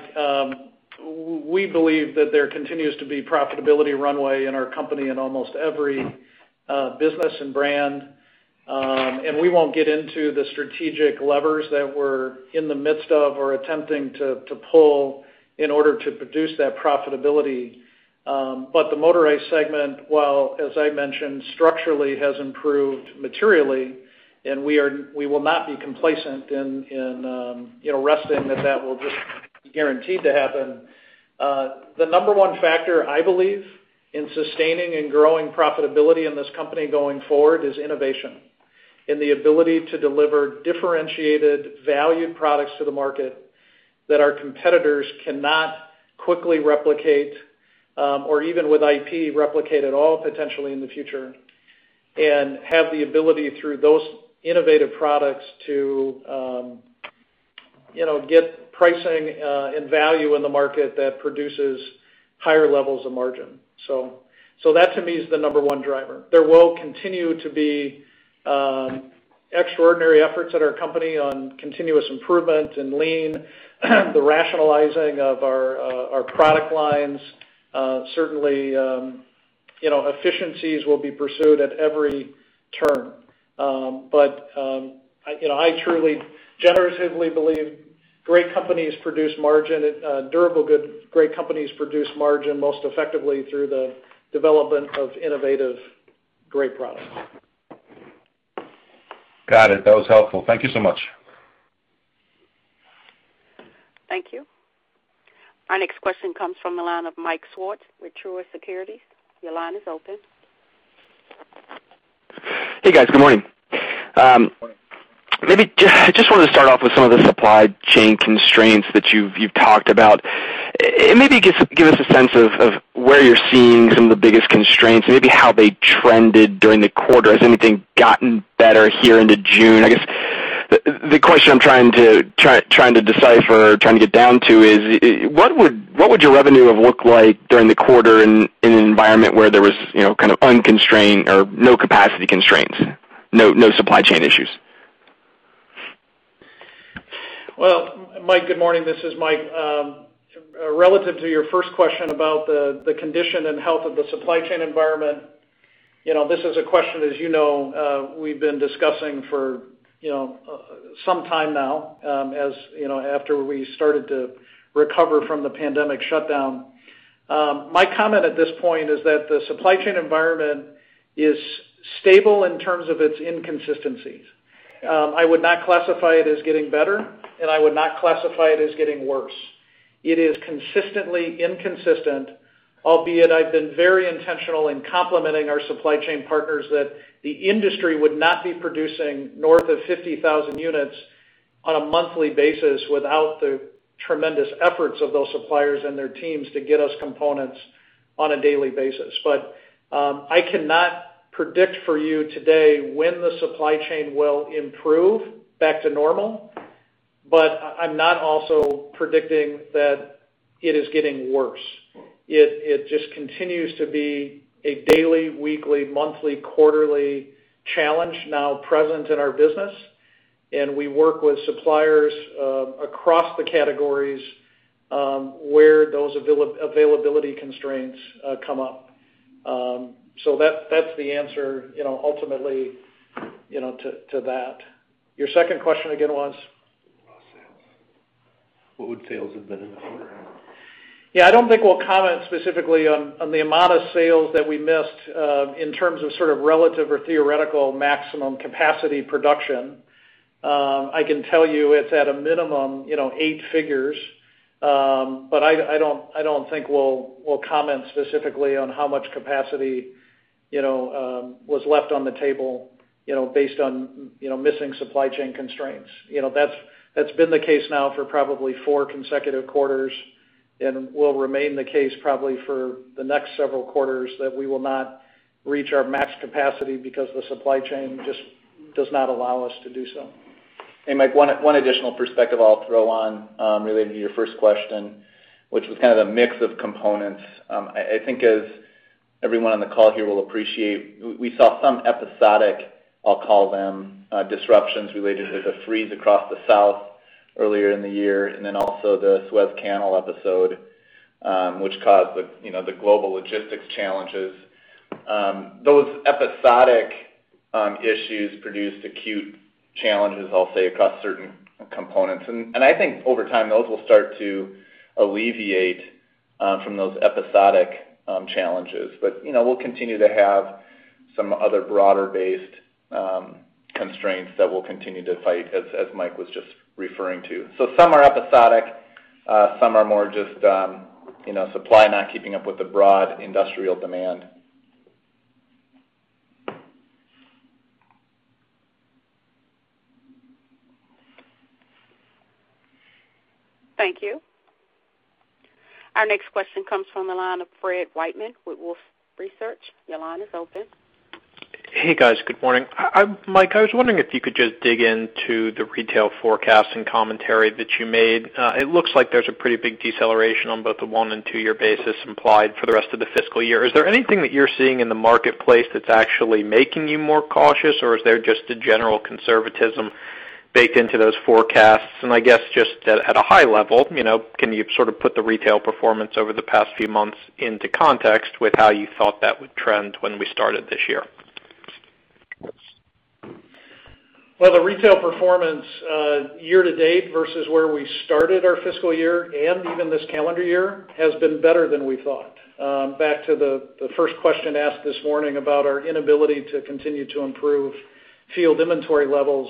We believe that there continues to be profitability runway in our company in almost every business and brand. We won't get into the strategic levers that we're in the midst of or attempting to pull in order to produce that profitability. The motorized segment, while, as I mentioned, structurally has improved materially, and we will not be complacent in resting that will just be guaranteed to happen. The number one factor I believe in sustaining and growing profitability in this company going forward is innovation and the ability to deliver differentiated valued products to the market that our competitors cannot quickly replicate or even with IP replicate at all potentially in the future. Have the ability through those innovative products to get pricing and value in the market that produces higher levels of margin. That to me is the number one driver. There will continue to be extraordinary efforts at our company on continuous improvement and lean, the rationalizing of our product lines. Certainly, efficiencies will be pursued at every turn. I truly, genuinely believe great companies produce margin, durable goods, great companies produce margin most effectively through the development of innovative great products. Got it. That was helpful. Thank you so much. Thank you. Our next question comes from the line of Mike Swartz with Truist Securities. Your line is open. Hey, guys. Good morning. Maybe just want to start off with some of the supply chain constraints that you've talked about. Maybe just give us a sense of where you're seeing some of the biggest constraints, maybe how they trended during the quarter. Has anything gotten better here into June? I guess the question I'm trying to decipher or trying to get down to is, what would your revenue have looked like during the quarter in an environment where there was unconstrained or no capacity constraints, no supply chain issues? Mike, good morning. This is Mike. Relative to your first question about the condition and health of the supply chain environment, this is a question, as you know, we've been discussing for some time now, after we started to recover from the pandemic shutdown. My comment at this point is that the supply chain environment is stable in terms of its inconsistencies. I would not classify it as getting better, and I would not classify it as getting worse. It is consistently inconsistent, albeit I've been very intentional in complimenting our supply chain partners that the industry would not be producing north of 50,000 units on a monthly basis without the tremendous efforts of those suppliers and their teams to get us components on a daily basis. I cannot predict for you today when the supply chain will improve back to normal, but I'm not also predicting that it is getting worse. It just continues to be a daily, weekly, monthly, quarterly challenge now present in our business, and we work with suppliers across the categories where those availability constraints come up. That's the answer ultimately to that. Your second question again was? Loss sales. What would sales have been this year? I don't think we'll comment specifically on the amount of sales that we missed in terms of sort of relative or theoretical maximum capacity production. I can tell you it's at a minimum eight figures. I don't think we'll comment specifically on how much capacity was left on the table based on missing supply chain constraints. That's been the case now for probably four consecutive quarters and will remain the case probably for the next several quarters, that we will not reach our max capacity because the supply chain just does not allow us to do so. Hey, Mike, one additional perspective I'll throw on relating to your first question, which was kind of a mix of components. I think as everyone on the call here will appreciate, we saw some episodic, I'll call them, disruptions related to the freeze across the South earlier in the year, then also the Suez Canal episode, which caused the global logistics challenges. Those episodic issues produced acute challenges, I'll say, across certain components. I think over time, those will start to alleviate from those episodic challenges. We'll continue to have some other broader-based constraints that we'll continue to fight, as Mike was just referring to. Some are episodic, some are more just supply not keeping up with the broad industrial demand. Thank you. Our next question comes from the line of Fred Wightman with Wolfe Research. Your line is open. Hey, guys. Good morning. Mike, I was wondering if you could just dig into the retail forecast and commentary that you made. It looks like there's a pretty big deceleration on both the one and two-year basis implied for the rest of the fiscal year. Is there anything that you're seeing in the marketplace that's actually making you more cautious, or is there just a general conservatism baked into those forecasts? I guess just at a high level, can you sort of put the retail performance over the past few months into context with how you thought that would trend when we started this year? Well, the retail performance year to date versus where we started our fiscal year and even this calendar year has been better than we thought. Back to the first question asked this morning about our inability to continue to improve field inventory levels.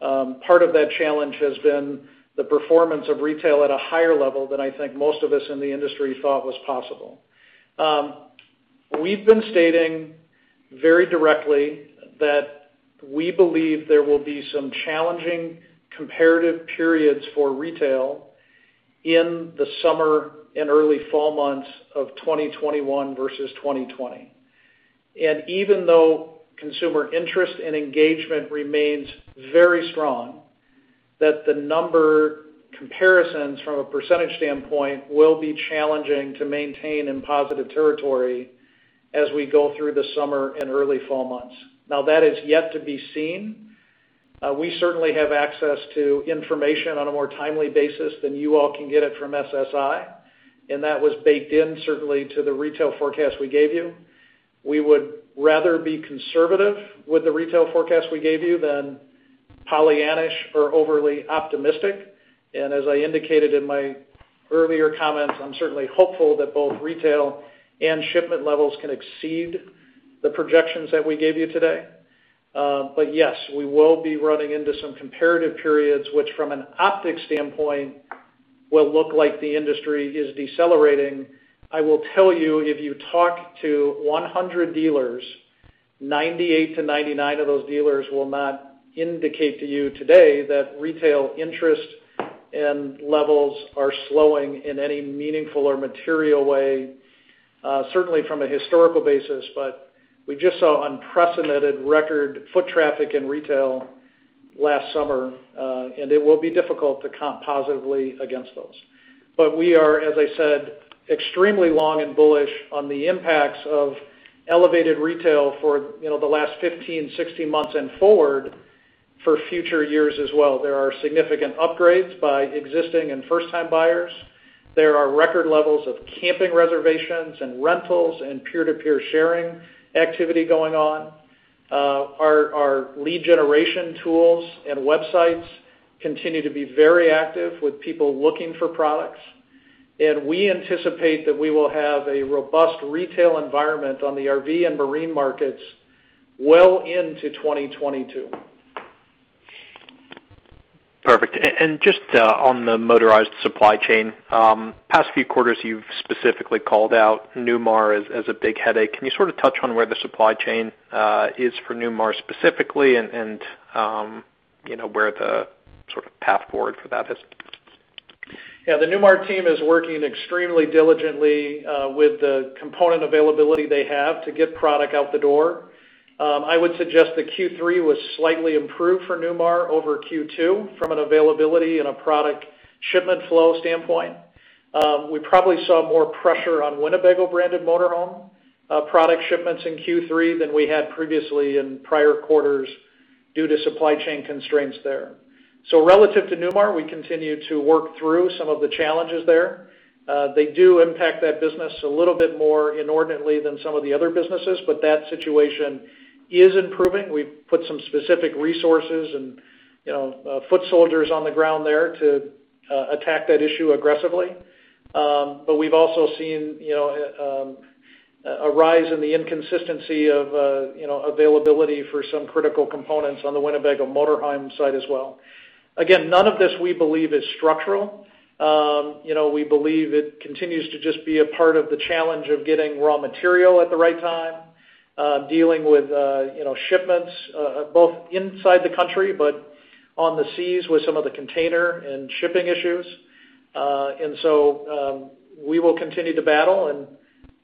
Part of that challenge has been the performance of retail at a higher level than I think most of us in the industry thought was possible. We've been stating very directly that we believe there will be some challenging comparative periods for retail in the summer and early fall months of 2021 versus 2020. Even though consumer interest and engagement remains very strong that the number comparisons from a percentage standpoint will be challenging to maintain in positive territory as we go through the summer and early fall months. Now, that is yet to be seen. We certainly have access to information on a more timely basis than you all can get it from SSI, and that was baked in certainly to the retail forecast we gave you. We would rather be conservative with the retail forecast we gave you than pollyannaish or overly optimistic. As I indicated in my earlier comments, I'm certainly hopeful that both retail and shipment levels can exceed the projections that we gave you today. Yes, we will be running into some comparative periods, which from an optic standpoint, will look like the industry is decelerating. I will tell you, if you talk to 100 dealers, 98-99 of those dealers will not indicate to you today that retail interest and levels are slowing in any meaningful or material way, certainly from a historical basis. We just saw unprecedented record foot traffic in retail last summer, and it will be difficult to comp positively against those. We are, as I said, extremely long and bullish on the impacts of elevated retail for the last 15-16 months and forward for future years as well. There are significant upgrades by existing and first-time buyers. There are record levels of camping reservations and rentals and peer-to-peer sharing activity going on. Our lead generation tools and websites continue to be very active with people looking for products, and we anticipate that we will have a robust retail environment on the RV and marine markets well into 2022. Perfect. Just on the motorized supply chain, past few quarters, you've specifically called out Newmar as a big headache. Can you touch on where the supply chain is for Newmar specifically and where the path forward for that is? Yeah. The Newmar team is working extremely diligently with the component availability they have to get product out the door. I would suggest that Q3 was slightly improved for Newmar over Q2 from an availability and a product shipment flow standpoint. We probably saw more pressure on Winnebago-branded motorhome product shipments in Q3 than we had previously in prior quarters due to supply chain constraints there. Relative to Newmar, we continue to work through some of the challenges there. They do impact that business a little bit more inordinately than some of the other businesses, but that situation is improving. We've put some specific resources and foot soldiers on the ground there to attack that issue aggressively. But we've also seen a rise in the inconsistency of availability for some critical components on the Winnebago motorhome side as well. Again, none of this, we believe is structural. We believe it continues to just be a part of the challenge of getting raw material at the right time, dealing with shipments both inside the country, but on the seas with some of the container and shipping issues. We will continue to battle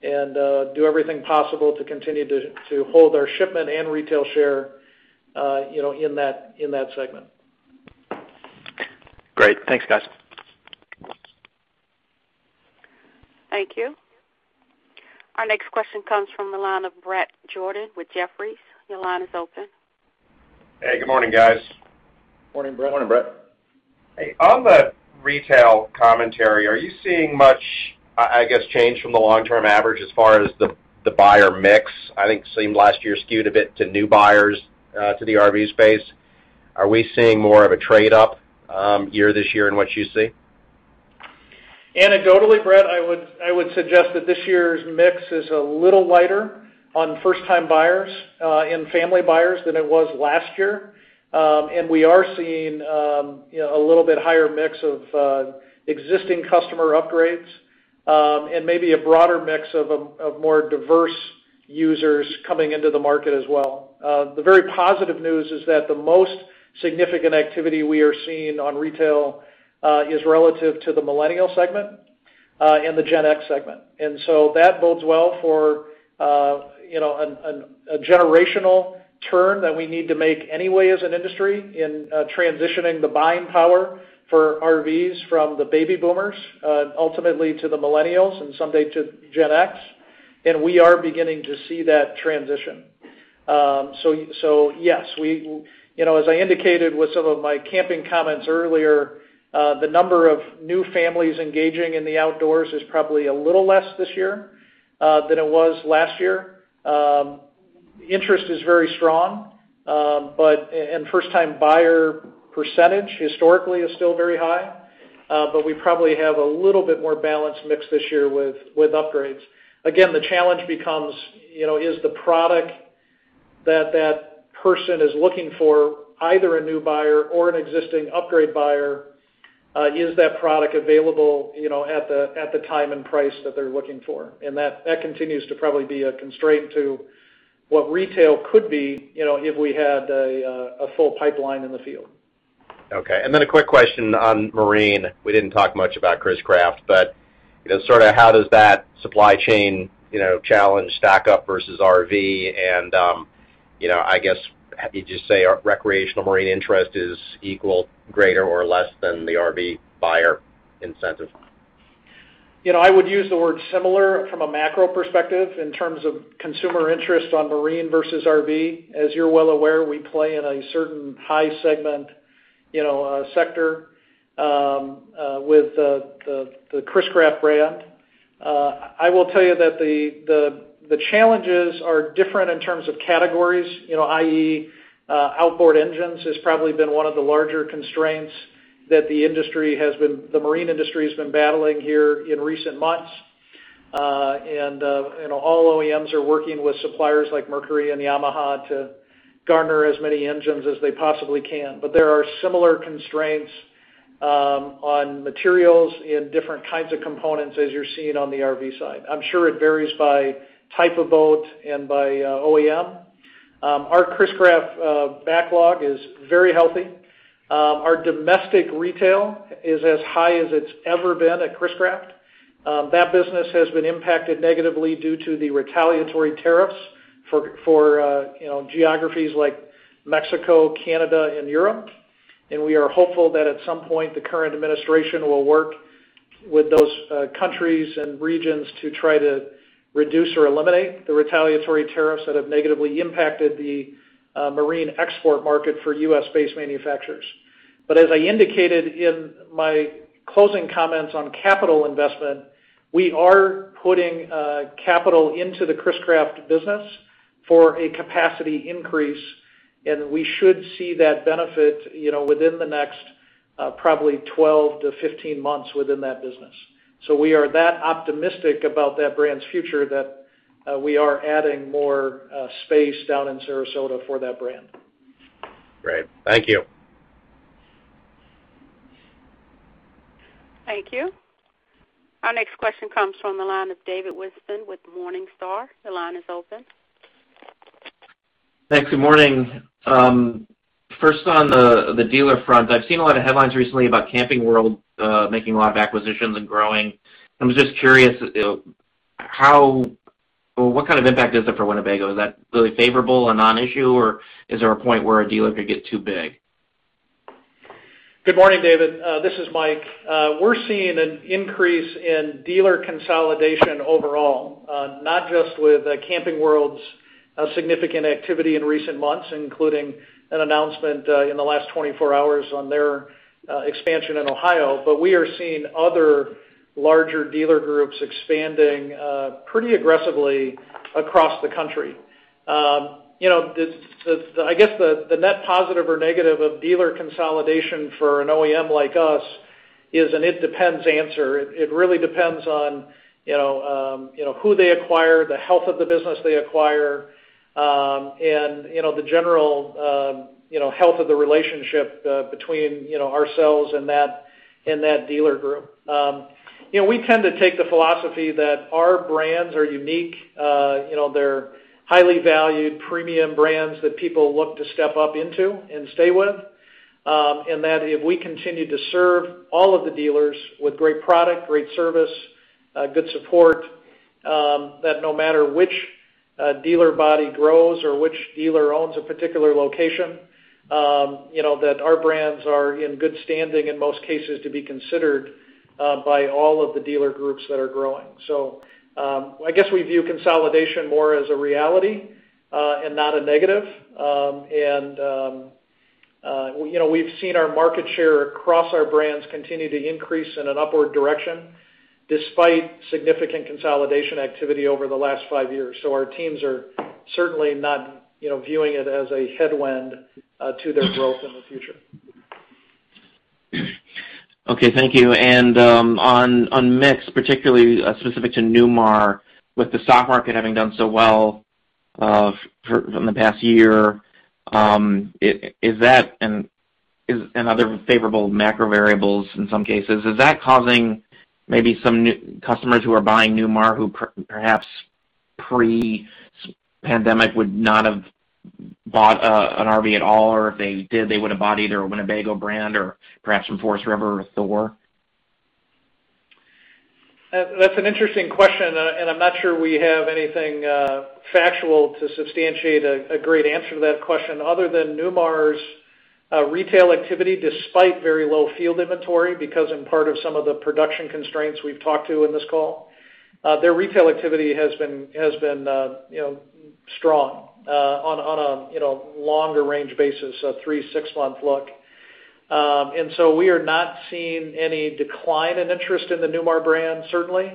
and do everything possible to continue to hold our shipment and retail share in that segment. Great. Thanks, guys. Thank you. Our next question comes from the line of Bret Jordan with Jefferies. Your line is open. Hey, good morning, guys. Morning, Bret. Morning, Bret. Hey. On the retail commentary, are you seeing much, I guess, change from the long-term average as far as the buyer mix? I think it seemed last year skewed a bit to new buyers to the RV space. Are we seeing more of a trade-up year this year in what you see? Anecdotally, Bret, I would suggest that this year's mix is a little lighter on first-time buyers and family buyers than it was last year. We are seeing a little bit higher mix of existing customer upgrades, and maybe a broader mix of more diverse users coming into the market as well. The very positive news is that the most significant activity we are seeing on retail is relative to the millennial segment and the Gen X segment. That bodes well for a generational turn that we need to make anyway as an industry in transitioning the buying power for RVs from the baby boomers, ultimately to the millennials and someday to Gen X. We are beginning to see that transition. Yes. As I indicated with some of my camping comments earlier, the number of new families engaging in the outdoors is probably a little less this year than it was last year. Interest is very strong, and first-time buyer percentage historically is still very high. We probably have a little bit more balanced mix this year with upgrades. Again, the challenge becomes, is the product that that person is looking for, either a new buyer or an existing upgrade buyer, is that product available at the time and price that they're looking for? That continues to probably be a constraint to what retail could be if we had a full pipeline in the field. Okay. A quick question on marine. We didn't talk much about Chris-Craft. Sort of how does that supply chain challenge stack up versus RV? I guess, how did you say recreational marine interest is equal, greater, or less than the RV buyer incentive? I would use the word similar from a macro perspective in terms of consumer interest on marine versus RV. As you're well aware, we play in a certain high segment sector with the Chris-Craft brand. I will tell you that the challenges are different in terms of categories, i.e., outboard engines has probably been one of the larger constraints that the marine industry has been battling here in recent months. All OEMs are working with suppliers like Mercury and Yamaha to garner as many engines as they possibly can. There are similar constraints on materials and different kinds of components as you're seeing on the RV side. I'm sure it varies by type of boat and by OEM. Our Chris-Craft backlog is very healthy. Our domestic retail is as high as it's ever been at Chris-Craft. That business has been impacted negatively due to the retaliatory tariffs for geographies like Mexico, Canada, and Europe. We are hopeful that at some point the current administration will work with those countries and regions to try to reduce or eliminate the retaliatory tariffs that have negatively impacted the marine export market for U.S.-based manufacturers. As I indicated in my closing comments on capital investment, we are putting capital into the Chris-Craft business for a capacity increase, and we should see that benefit within the next probably 12-15 months within that business. We are that optimistic about that brand's future that we are adding more space down in Sarasota for that brand. Great. Thank you. Thank you. Our next question comes from the line of David Whiston with Morningstar. Your line is open. Thanks. Good morning. First on the dealer front, I've seen a lot of headlines recently about Camping World making a lot of acquisitions and growing. I was just curious what kind of impact is that for Winnebago? Is that really favorable or non-issue, or is there a point where a deal could get too big? Good morning, David. This is Mike. We're seeing an increase in dealer consolidation overall, not just with Camping World's significant activity in recent months, including an announcement in the last 24 hours on their expansion in Ohio. We are seeing other larger dealer groups expanding pretty aggressively across the country. I guess the net positive or negative of dealer consolidation for an OEM like us is an it-depends answer. It really depends on who they acquire, the health of the business they acquire, and the general health of the relationship between ourselves and that dealer group. We tend to take the philosophy that our brands are unique. They're highly valued premium brands that people look to step up into and stay with. That if we continue to serve all of the dealers with great product, great service, good support, that no matter which dealer body grows or which dealer owns a particular location that our brands are in good standing in most cases to be considered by all of the dealer groups that are growing. I guess we view consolidation more as a reality, and not a negative. We've seen our market share across our brands continue to increase in an upward direction despite significant consolidation activity over the last five years. Our teams are certainly not viewing it as a headwind to their growth in the future. Okay, thank you. On mix, particularly specific to Newmar, with the stock market having done so well in the past year, and other favorable macro variables in some cases, is that causing maybe some customers who are buying Newmar who perhaps pre-pandemic would not have bought an RV at all, or if they did, they would've bought either a Winnebago brand or perhaps a Forest River or Thor? That's an interesting question, and I'm not sure we have anything factual to substantiate a great answer to that question other than Newmar's retail activity, despite very low field inventory, because in part of some of the production constraints we've talked to in this call. Their retail activity has been strong on a longer-range basis, a three to six-month look. We are not seeing any decline in interest in the Newmar brand, certainly.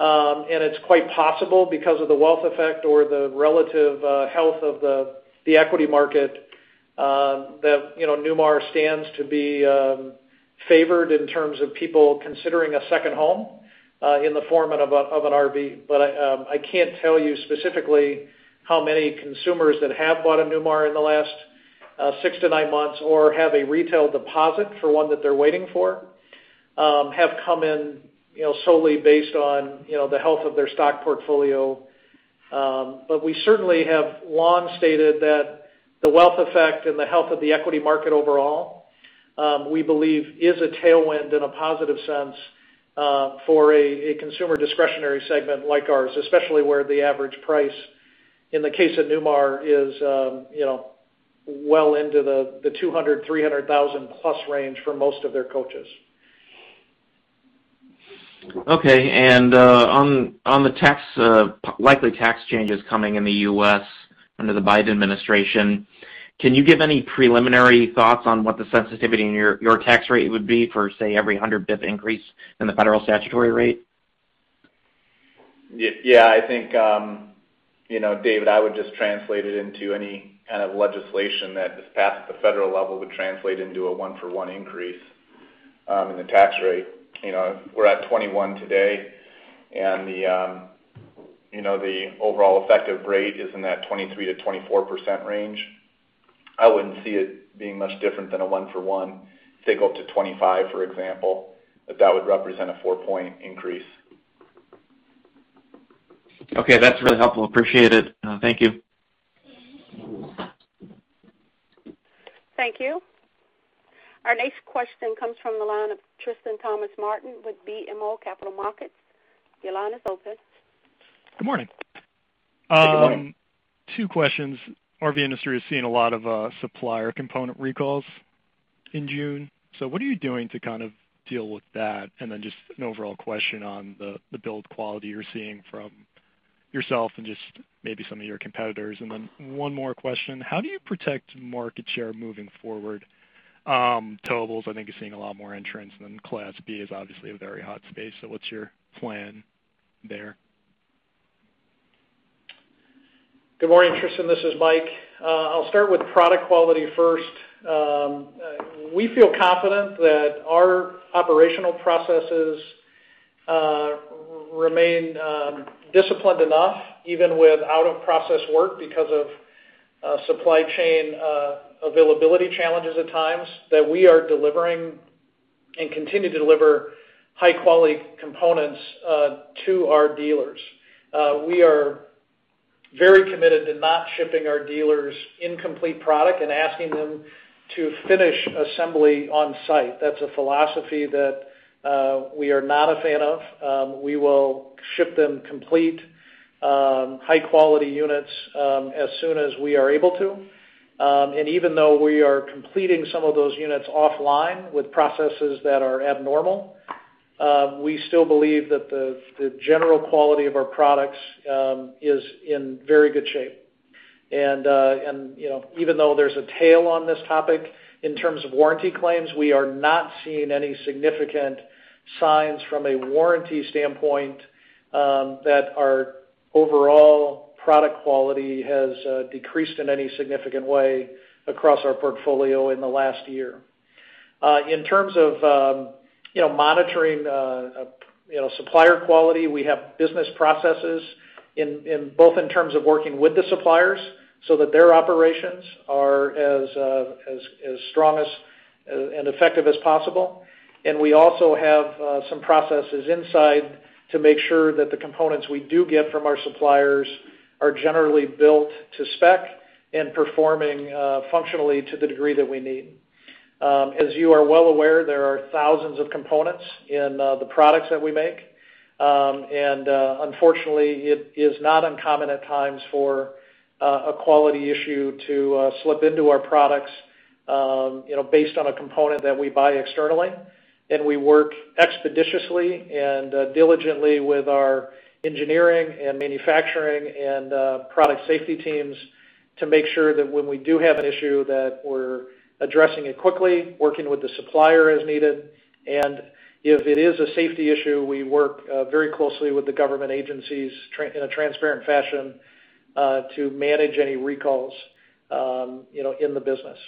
It's quite possible because of the wealth effect or the relative health of the equity market that Newmar stands to be favored in terms of people considering a second home in the format of an RV. I can't tell you specifically how many consumers that have bought a Newmar in the last six to nine months or have a retail deposit for one that they're waiting for have come in solely based on the health of their stock portfolio. We certainly have long stated that the wealth effect and the health of the equity market overall, we believe is a tailwind in a positive sense for a consumer discretionary segment like ours, especially where the average price in the case of Newmar is well into the $200,000-$300,000+ range for most of their coaches. Okay. On the likely tax changes coming in the U.S. under the Biden administration, can you give any preliminary thoughts on what the sensitivity in your tax rate would be for, say, every 100 basis point increase in the federal statutory rate? Yeah, I think, Dave, that would just translate it into any kind of legislation that, if passed at the federal level, would translate into a one-for-one increase in the tax rate. We're at 21% today, and the overall effective rate is in that 23%-24% range. I wouldn't see it being much different than a one-for-one, say, go up to 25%, for example, but that would represent a 4% increase. Okay. That's really helpful. Appreciate it. Thank you. Thank you. Our next question comes from the line of Tristan Thomas-Martin with BMO Capital Markets. Your line is open. Good morning. Good morning. Two questions. RV industry is seeing a lot of supplier component recalls in June. What are you doing to deal with that? Just an overall question on the build quality you're seeing from yourself and just maybe some of your competitors. One more question. How do you protect market share moving forward? Towables, I think, is seeing a lot more entrants, and Class B is obviously a very hot space. What's your plan there? Good morning, Tristan, this is Mike. I'll start with product quality first. We feel confident that our operational processes remain disciplined enough, even with out-of-process work because of supply chain availability challenges at times, that we are delivering and continue to deliver high-quality components to our dealers. We are very committed to not shipping our dealers incomplete product and asking them to finish assembly on-site. That's a philosophy that we are not a fan of. We will ship them complete, high-quality units as soon as we are able to. Even though we are completing some of those units offline with processes that are abnormal, we still believe that the general quality of our products is in very good shape. Even though there is a tail on this topic, in terms of warranty claims, we are not seeing any significant signs from a warranty standpoint that our overall product quality has decreased in any significant way across our portfolio in the last year. In terms of monitoring supplier quality, we have business processes both in terms of working with the suppliers so that their operations are as strong and effective as possible, and we also have some processes inside to make sure that the components we do get from our suppliers are generally built to spec and performing functionally to the degree that we need. As you are well aware, there are thousands of components in the products that we make, and unfortunately, it is not uncommon at times for a quality issue to slip into our products based on a component that we buy externally. We work expeditiously and diligently with our engineering and manufacturing and product safety teams to make sure that when we do have an issue, that we're addressing it quickly, working with the supplier as needed. If it is a safety issue, we work very closely with the government agencies in a transparent fashion to manage any recalls in the business.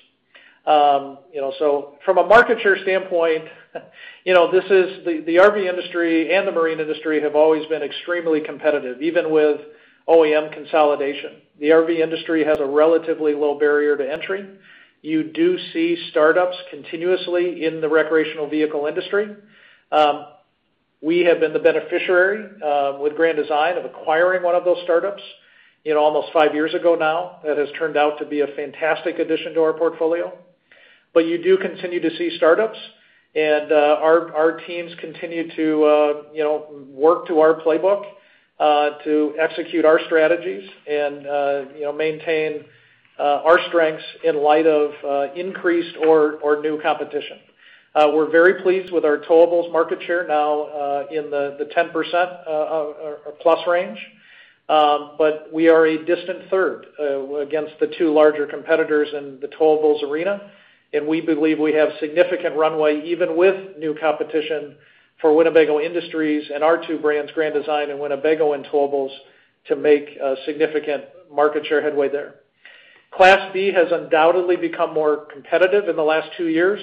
From a market share standpoint, the RV industry and the marine industry have always been extremely competitive, even with OEM consolidation. The RV industry has a relatively low barrier to entry. You do see startups continuously in the recreational vehicle industry. We have been the beneficiary, with Grand Design, of acquiring one of those startups almost five years ago now. That has turned out to be a fantastic addition to our portfolio. You do continue to see startups, and our teams continue to work to our playbook to execute our strategies and maintain our strengths in light of increased or new competition. We're very pleased with our towables market share now in the 10%+ range, but we are a distant third against the two larger competitors in the towables arena, and we believe we have significant runway, even with new competition for Winnebago Industries and our two brands, Grand Design and Winnebago, and towables to make significant market share headway there. Class B has undoubtedly become more competitive in the last two years.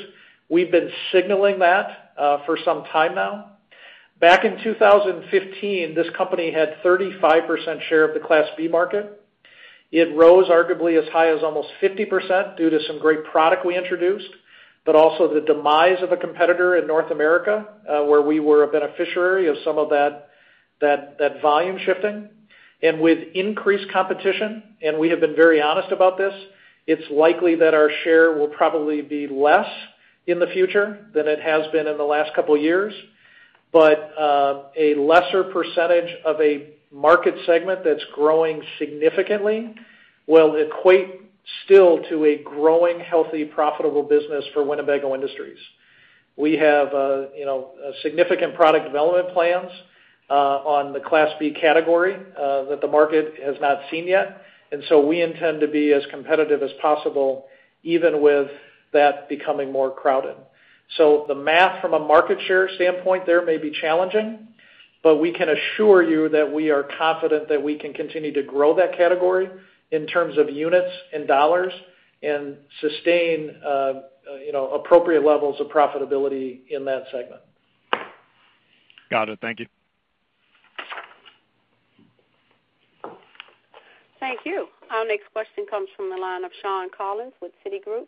We've been signaling that for some time now. Back in 2015, this company had 35% share of the Class B market. It rose arguably as high as almost 50% due to some great product we introduced, but also the demise of a competitor in North America, where we were a beneficiary of some of that volume shifting. With increased competition, and we have been very honest about this, it's likely that our share will probably be less in the future than it has been in the last couple of years. A lesser percentage of a market segment that's growing significantly will equate still to a growing, healthy, profitable business for Winnebago Industries. We have significant product development plans on the Class B category that the market has not seen yet. We intend to be as competitive as possible, even with that becoming more crowded. The math from a market share standpoint there may be challenging, but we can assure you that we are confident that we can continue to grow that category in terms of units and dollars and sustain appropriate levels of profitability in that segment. Got it. Thank you. Thank you. Our next question comes from the line of Shawn Collins with Citigroup.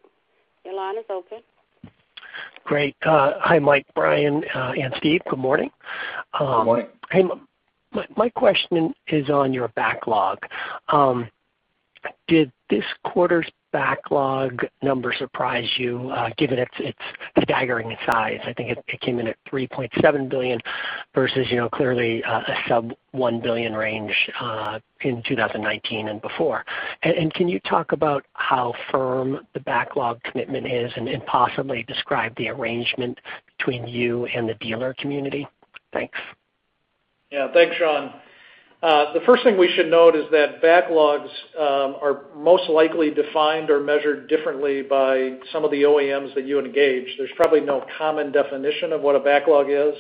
Your line is open. Great. Hi, Mike, Bryan, and Steve, good morning. Good morning. My question is on your backlog. Did this quarter's backlog number surprise you given its staggering size? I think it came in at $3.7 billion versus clearly a sub-$1 billion range in 2019 and before. Can you talk about how firm the backlog commitment is and possibly describe the arrangement between you and the dealer community? Thanks. Yeah. Thanks, Shawn. The first thing we should note is that backlogs are most likely defined or measured differently by some of the OEMs that you engage. There's probably no common definition of what a backlog is.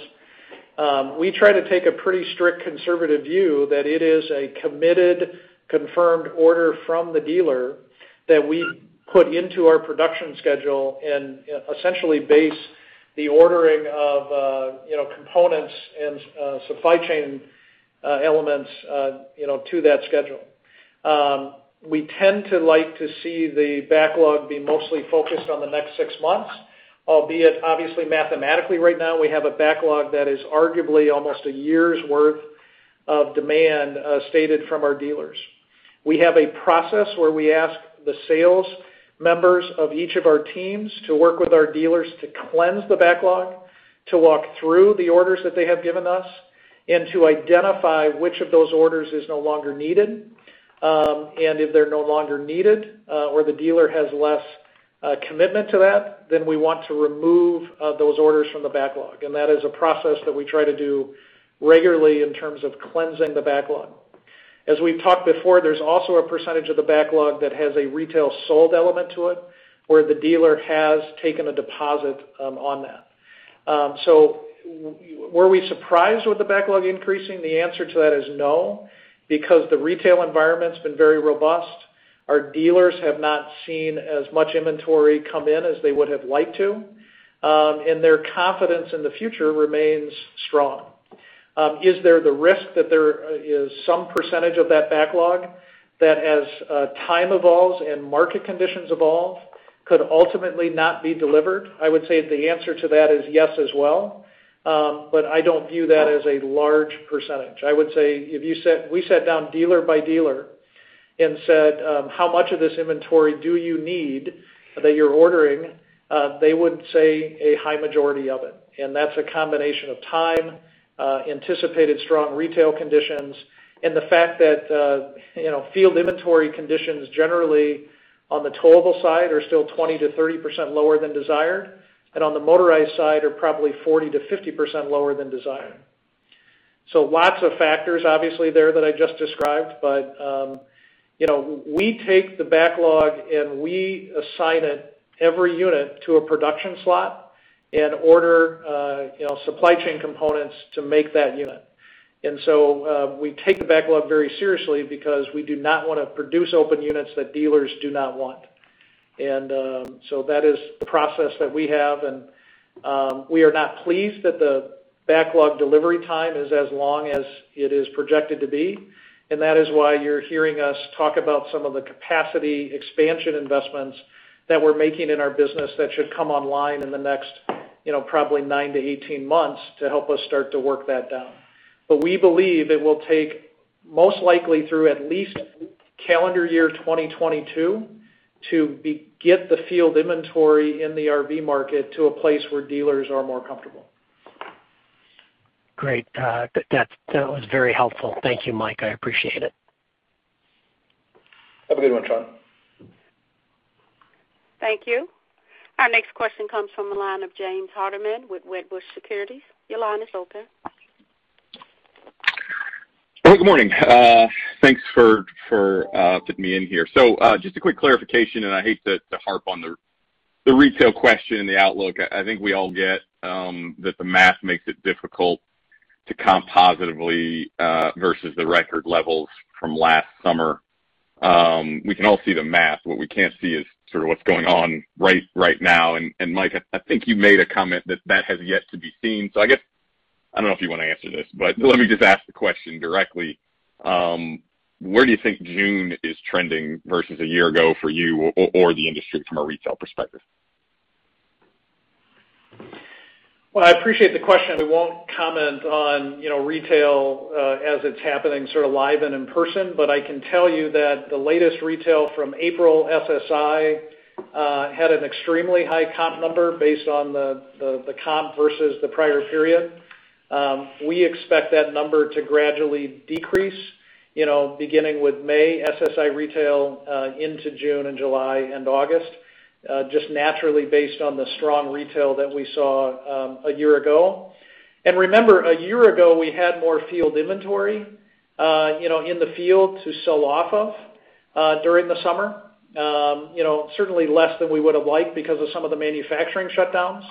We try to take a pretty strict conservative view that it is a committed, confirmed order from the dealer that we put into our production schedule and essentially base the ordering of components and supply chain elements to that schedule. We tend to like to see the backlog be mostly focused on the next six months, albeit obviously mathematically right now, we have a backlog that is arguably almost one year's worth of demand stated from our dealers. We have a process where we ask the sales members of each of our teams to work with our dealers to cleanse the backlog, to walk through the orders that they have given us, and to identify which of those orders is no longer needed. If they're no longer needed or the dealer has less commitment to that, then we want to remove those orders from the backlog. That is a process that we try to do regularly in terms of cleansing the backlog. As we've talked before, there's also a percentage of the backlog that has a retail sold element to it, where the dealer has taken a deposit on that. Were we surprised with the backlog increasing? The answer to that is no, because the retail environment's been very robust. Our dealers have not seen as much inventory come in as they would have liked to. Their confidence in the future remains strong. Is there the risk that there is some percentage of that backlog that as time evolves and market conditions evolve, could ultimately not be delivered? I would say the answer to that is yes as well. I don't view that as a large percentage. I would say if we sat down dealer by dealer and said, "How much of this inventory do you need that you're ordering?" They would say a high majority of it. That's a combination of time, anticipated strong retail conditions, and the fact that field inventory conditions generally on the towable side are still 20%-30% lower than desired, and on the motorized side are probably 40%-50% lower than desired. Lots of factors, obviously there that I just described, but we take the backlog and we assign every unit to a production slot and order supply chain components to make that unit. We take the backlog very seriously because we do not want to produce open units that dealers do not want. That is the process that we have, and we are not pleased that the backlog delivery time is as long as it is projected to be. That is why you're hearing us talk about some of the capacity expansion investments that we're making in our business that should come online in the next probably 9-18 months to help us start to work that down. We believe it will take most likely through at least calendar year 2022 to get the field inventory in the RV market to a place where dealers are more comfortable. Great. That was very helpful. Thank you, Michael. I appreciate it. Thank you very much, Shawn. Thank you. Our next question comes from the line of James Hardiman with Wedbush Securities. Your line is open. Good morning. Thanks for fitting me in here. Just a quick clarification, and I hate to harp on the retail question, the outlook. I think we all get that the math makes it difficult to comp positively versus the record levels from last summer. We can all see the math. What we can't see is sort of what's going on right now. Mike, I think you made a comment that has yet to be seen. I guess, I don't know if you want to answer this, but let me just ask the question directly. Where do you think June is trending versus a year ago for you or the industry from a retail perspective? Well, I appreciate the question. We won't comment on retail as it's happening sort of live and in-person. I can tell you that the latest retail from April, SSI, had an extremely high comp number based on the comp versus the prior period. We expect that number to gradually decrease, beginning with May SSI retail into June and July and August, just naturally based on the strong retail that we saw a year ago. Remember, a year ago, we had more field inventory in the field to sell off of during the summer. Certainly less than we would've liked because of some of the manufacturing shutdowns.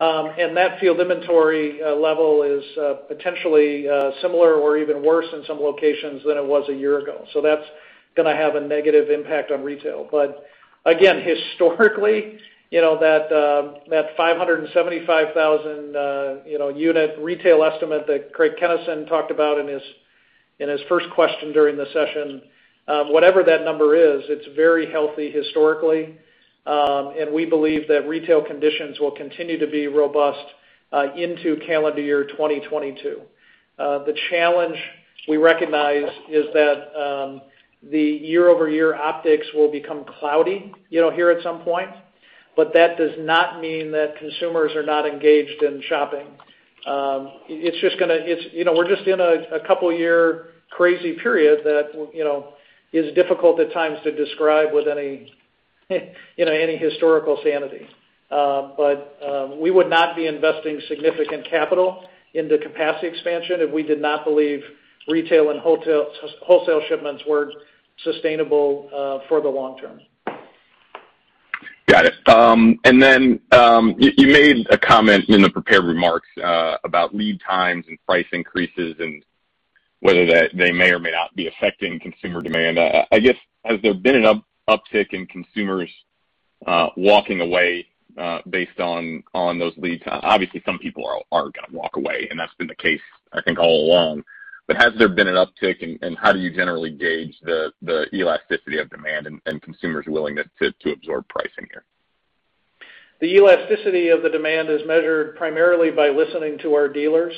That field inventory level is potentially similar or even worse in some locations than it was a year ago. That's going to have a negative impact on retail. Again, historically, that 575,000 unit retail estimate that Craig Kennison talked about in his first question during the session, whatever that number is, it's very healthy historically. We believe that retail conditions will continue to be robust into calendar year 2022. The challenge we recognize is that the year-over-year optics will become cloudy here at some point, but that does not mean that consumers are not engaged in shopping. We're just in a couple year crazy period that is difficult at times to describe with any historical sanity. We would not be investing significant capital in the capacity expansion if we did not believe retail and wholesale shipments were sustainable for the long term. Got it. Then you made a comment in the prepared remarks about lead times and price increases and whether they may or may not be affecting consumer demand. I guess, has there been an uptick in consumers walking away based on those lead times? Obviously, some people are hard to walk away, and that's been the case, I think, all along. Has there been an uptick, and how do you generally gauge the elasticity of demand and consumers' willingness to absorb pricing here? The elasticity of the demand is measured primarily by listening to our dealers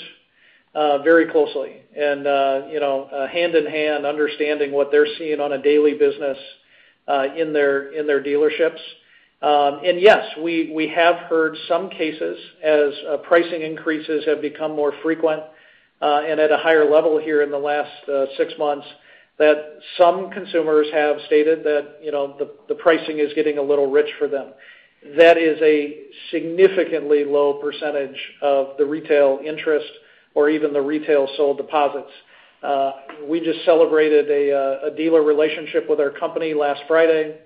very closely. Hand in hand, understanding what they're seeing on a daily business in their dealerships. Yes, we have heard some cases as pricing increases have become more frequent, and at a higher level here in the last six months, that some consumers have stated that the pricing is getting a little rich for them. That is a significantly low percentage of the retail interest or even the retail sold deposits. We just celebrated a dealer relationship with our company last Friday.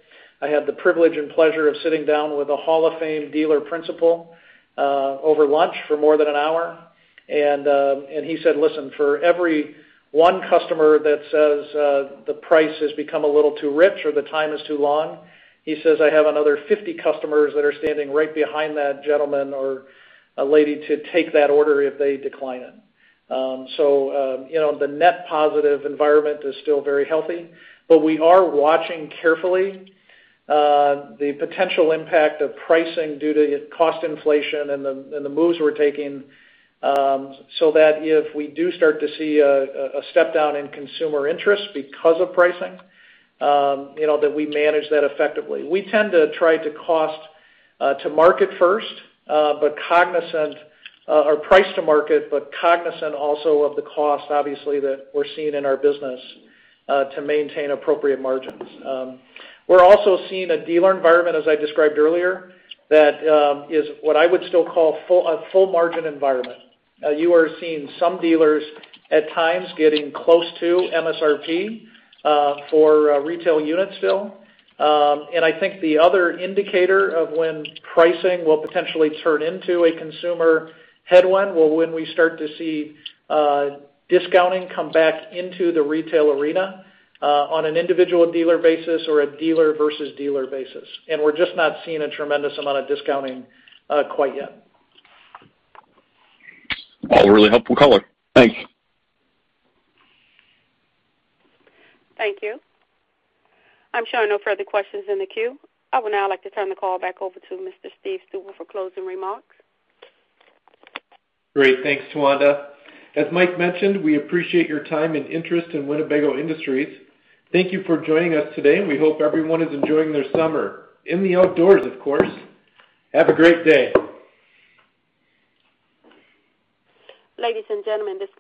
I had the privilege and pleasure of sitting down with a Hall of Fame dealer principal over lunch for more than an hour. He said, "Listen, for every one customer that says the price has become a little too rich or the time is too long," he says, "I have another 50 customers that are standing right behind that gentleman or a lady to take that order if they decline it." The net positive environment is still very healthy. We are watching carefully the potential impact of pricing due to cost inflation and the moves we're taking, so that if we do start to see a step-down in consumer interest because of pricing, that we manage that effectively. We tend to try to cost to market first, or price to market, but cognizant also of the cost, obviously, that we're seeing in our business to maintain appropriate margins. We're also seeing a dealer environment, as I described earlier, that is what I would still call a full margin environment. You are seeing some dealers at times getting close to MSRP for retail units still. I think the other indicator of when pricing will potentially turn into a consumer headwind when we start to see discounting come back into the retail arena on an individual dealer basis or a dealer versus dealer basis. We're just not seeing a tremendous amount of discounting quite yet. All really helpful color. Thanks. Thank you. I'm showing no further questions in the queue. I would now like to turn the call back over to Mr. Steve Stuber for closing remarks. Great. Thanks, Tawanda. As Mike mentioned, we appreciate your time and interest in Winnebago Industries. Thank you for joining us today. We hope everyone is enjoying their summer in the outdoors, of course. Have a great day. Ladies and gentlemen, this concludes.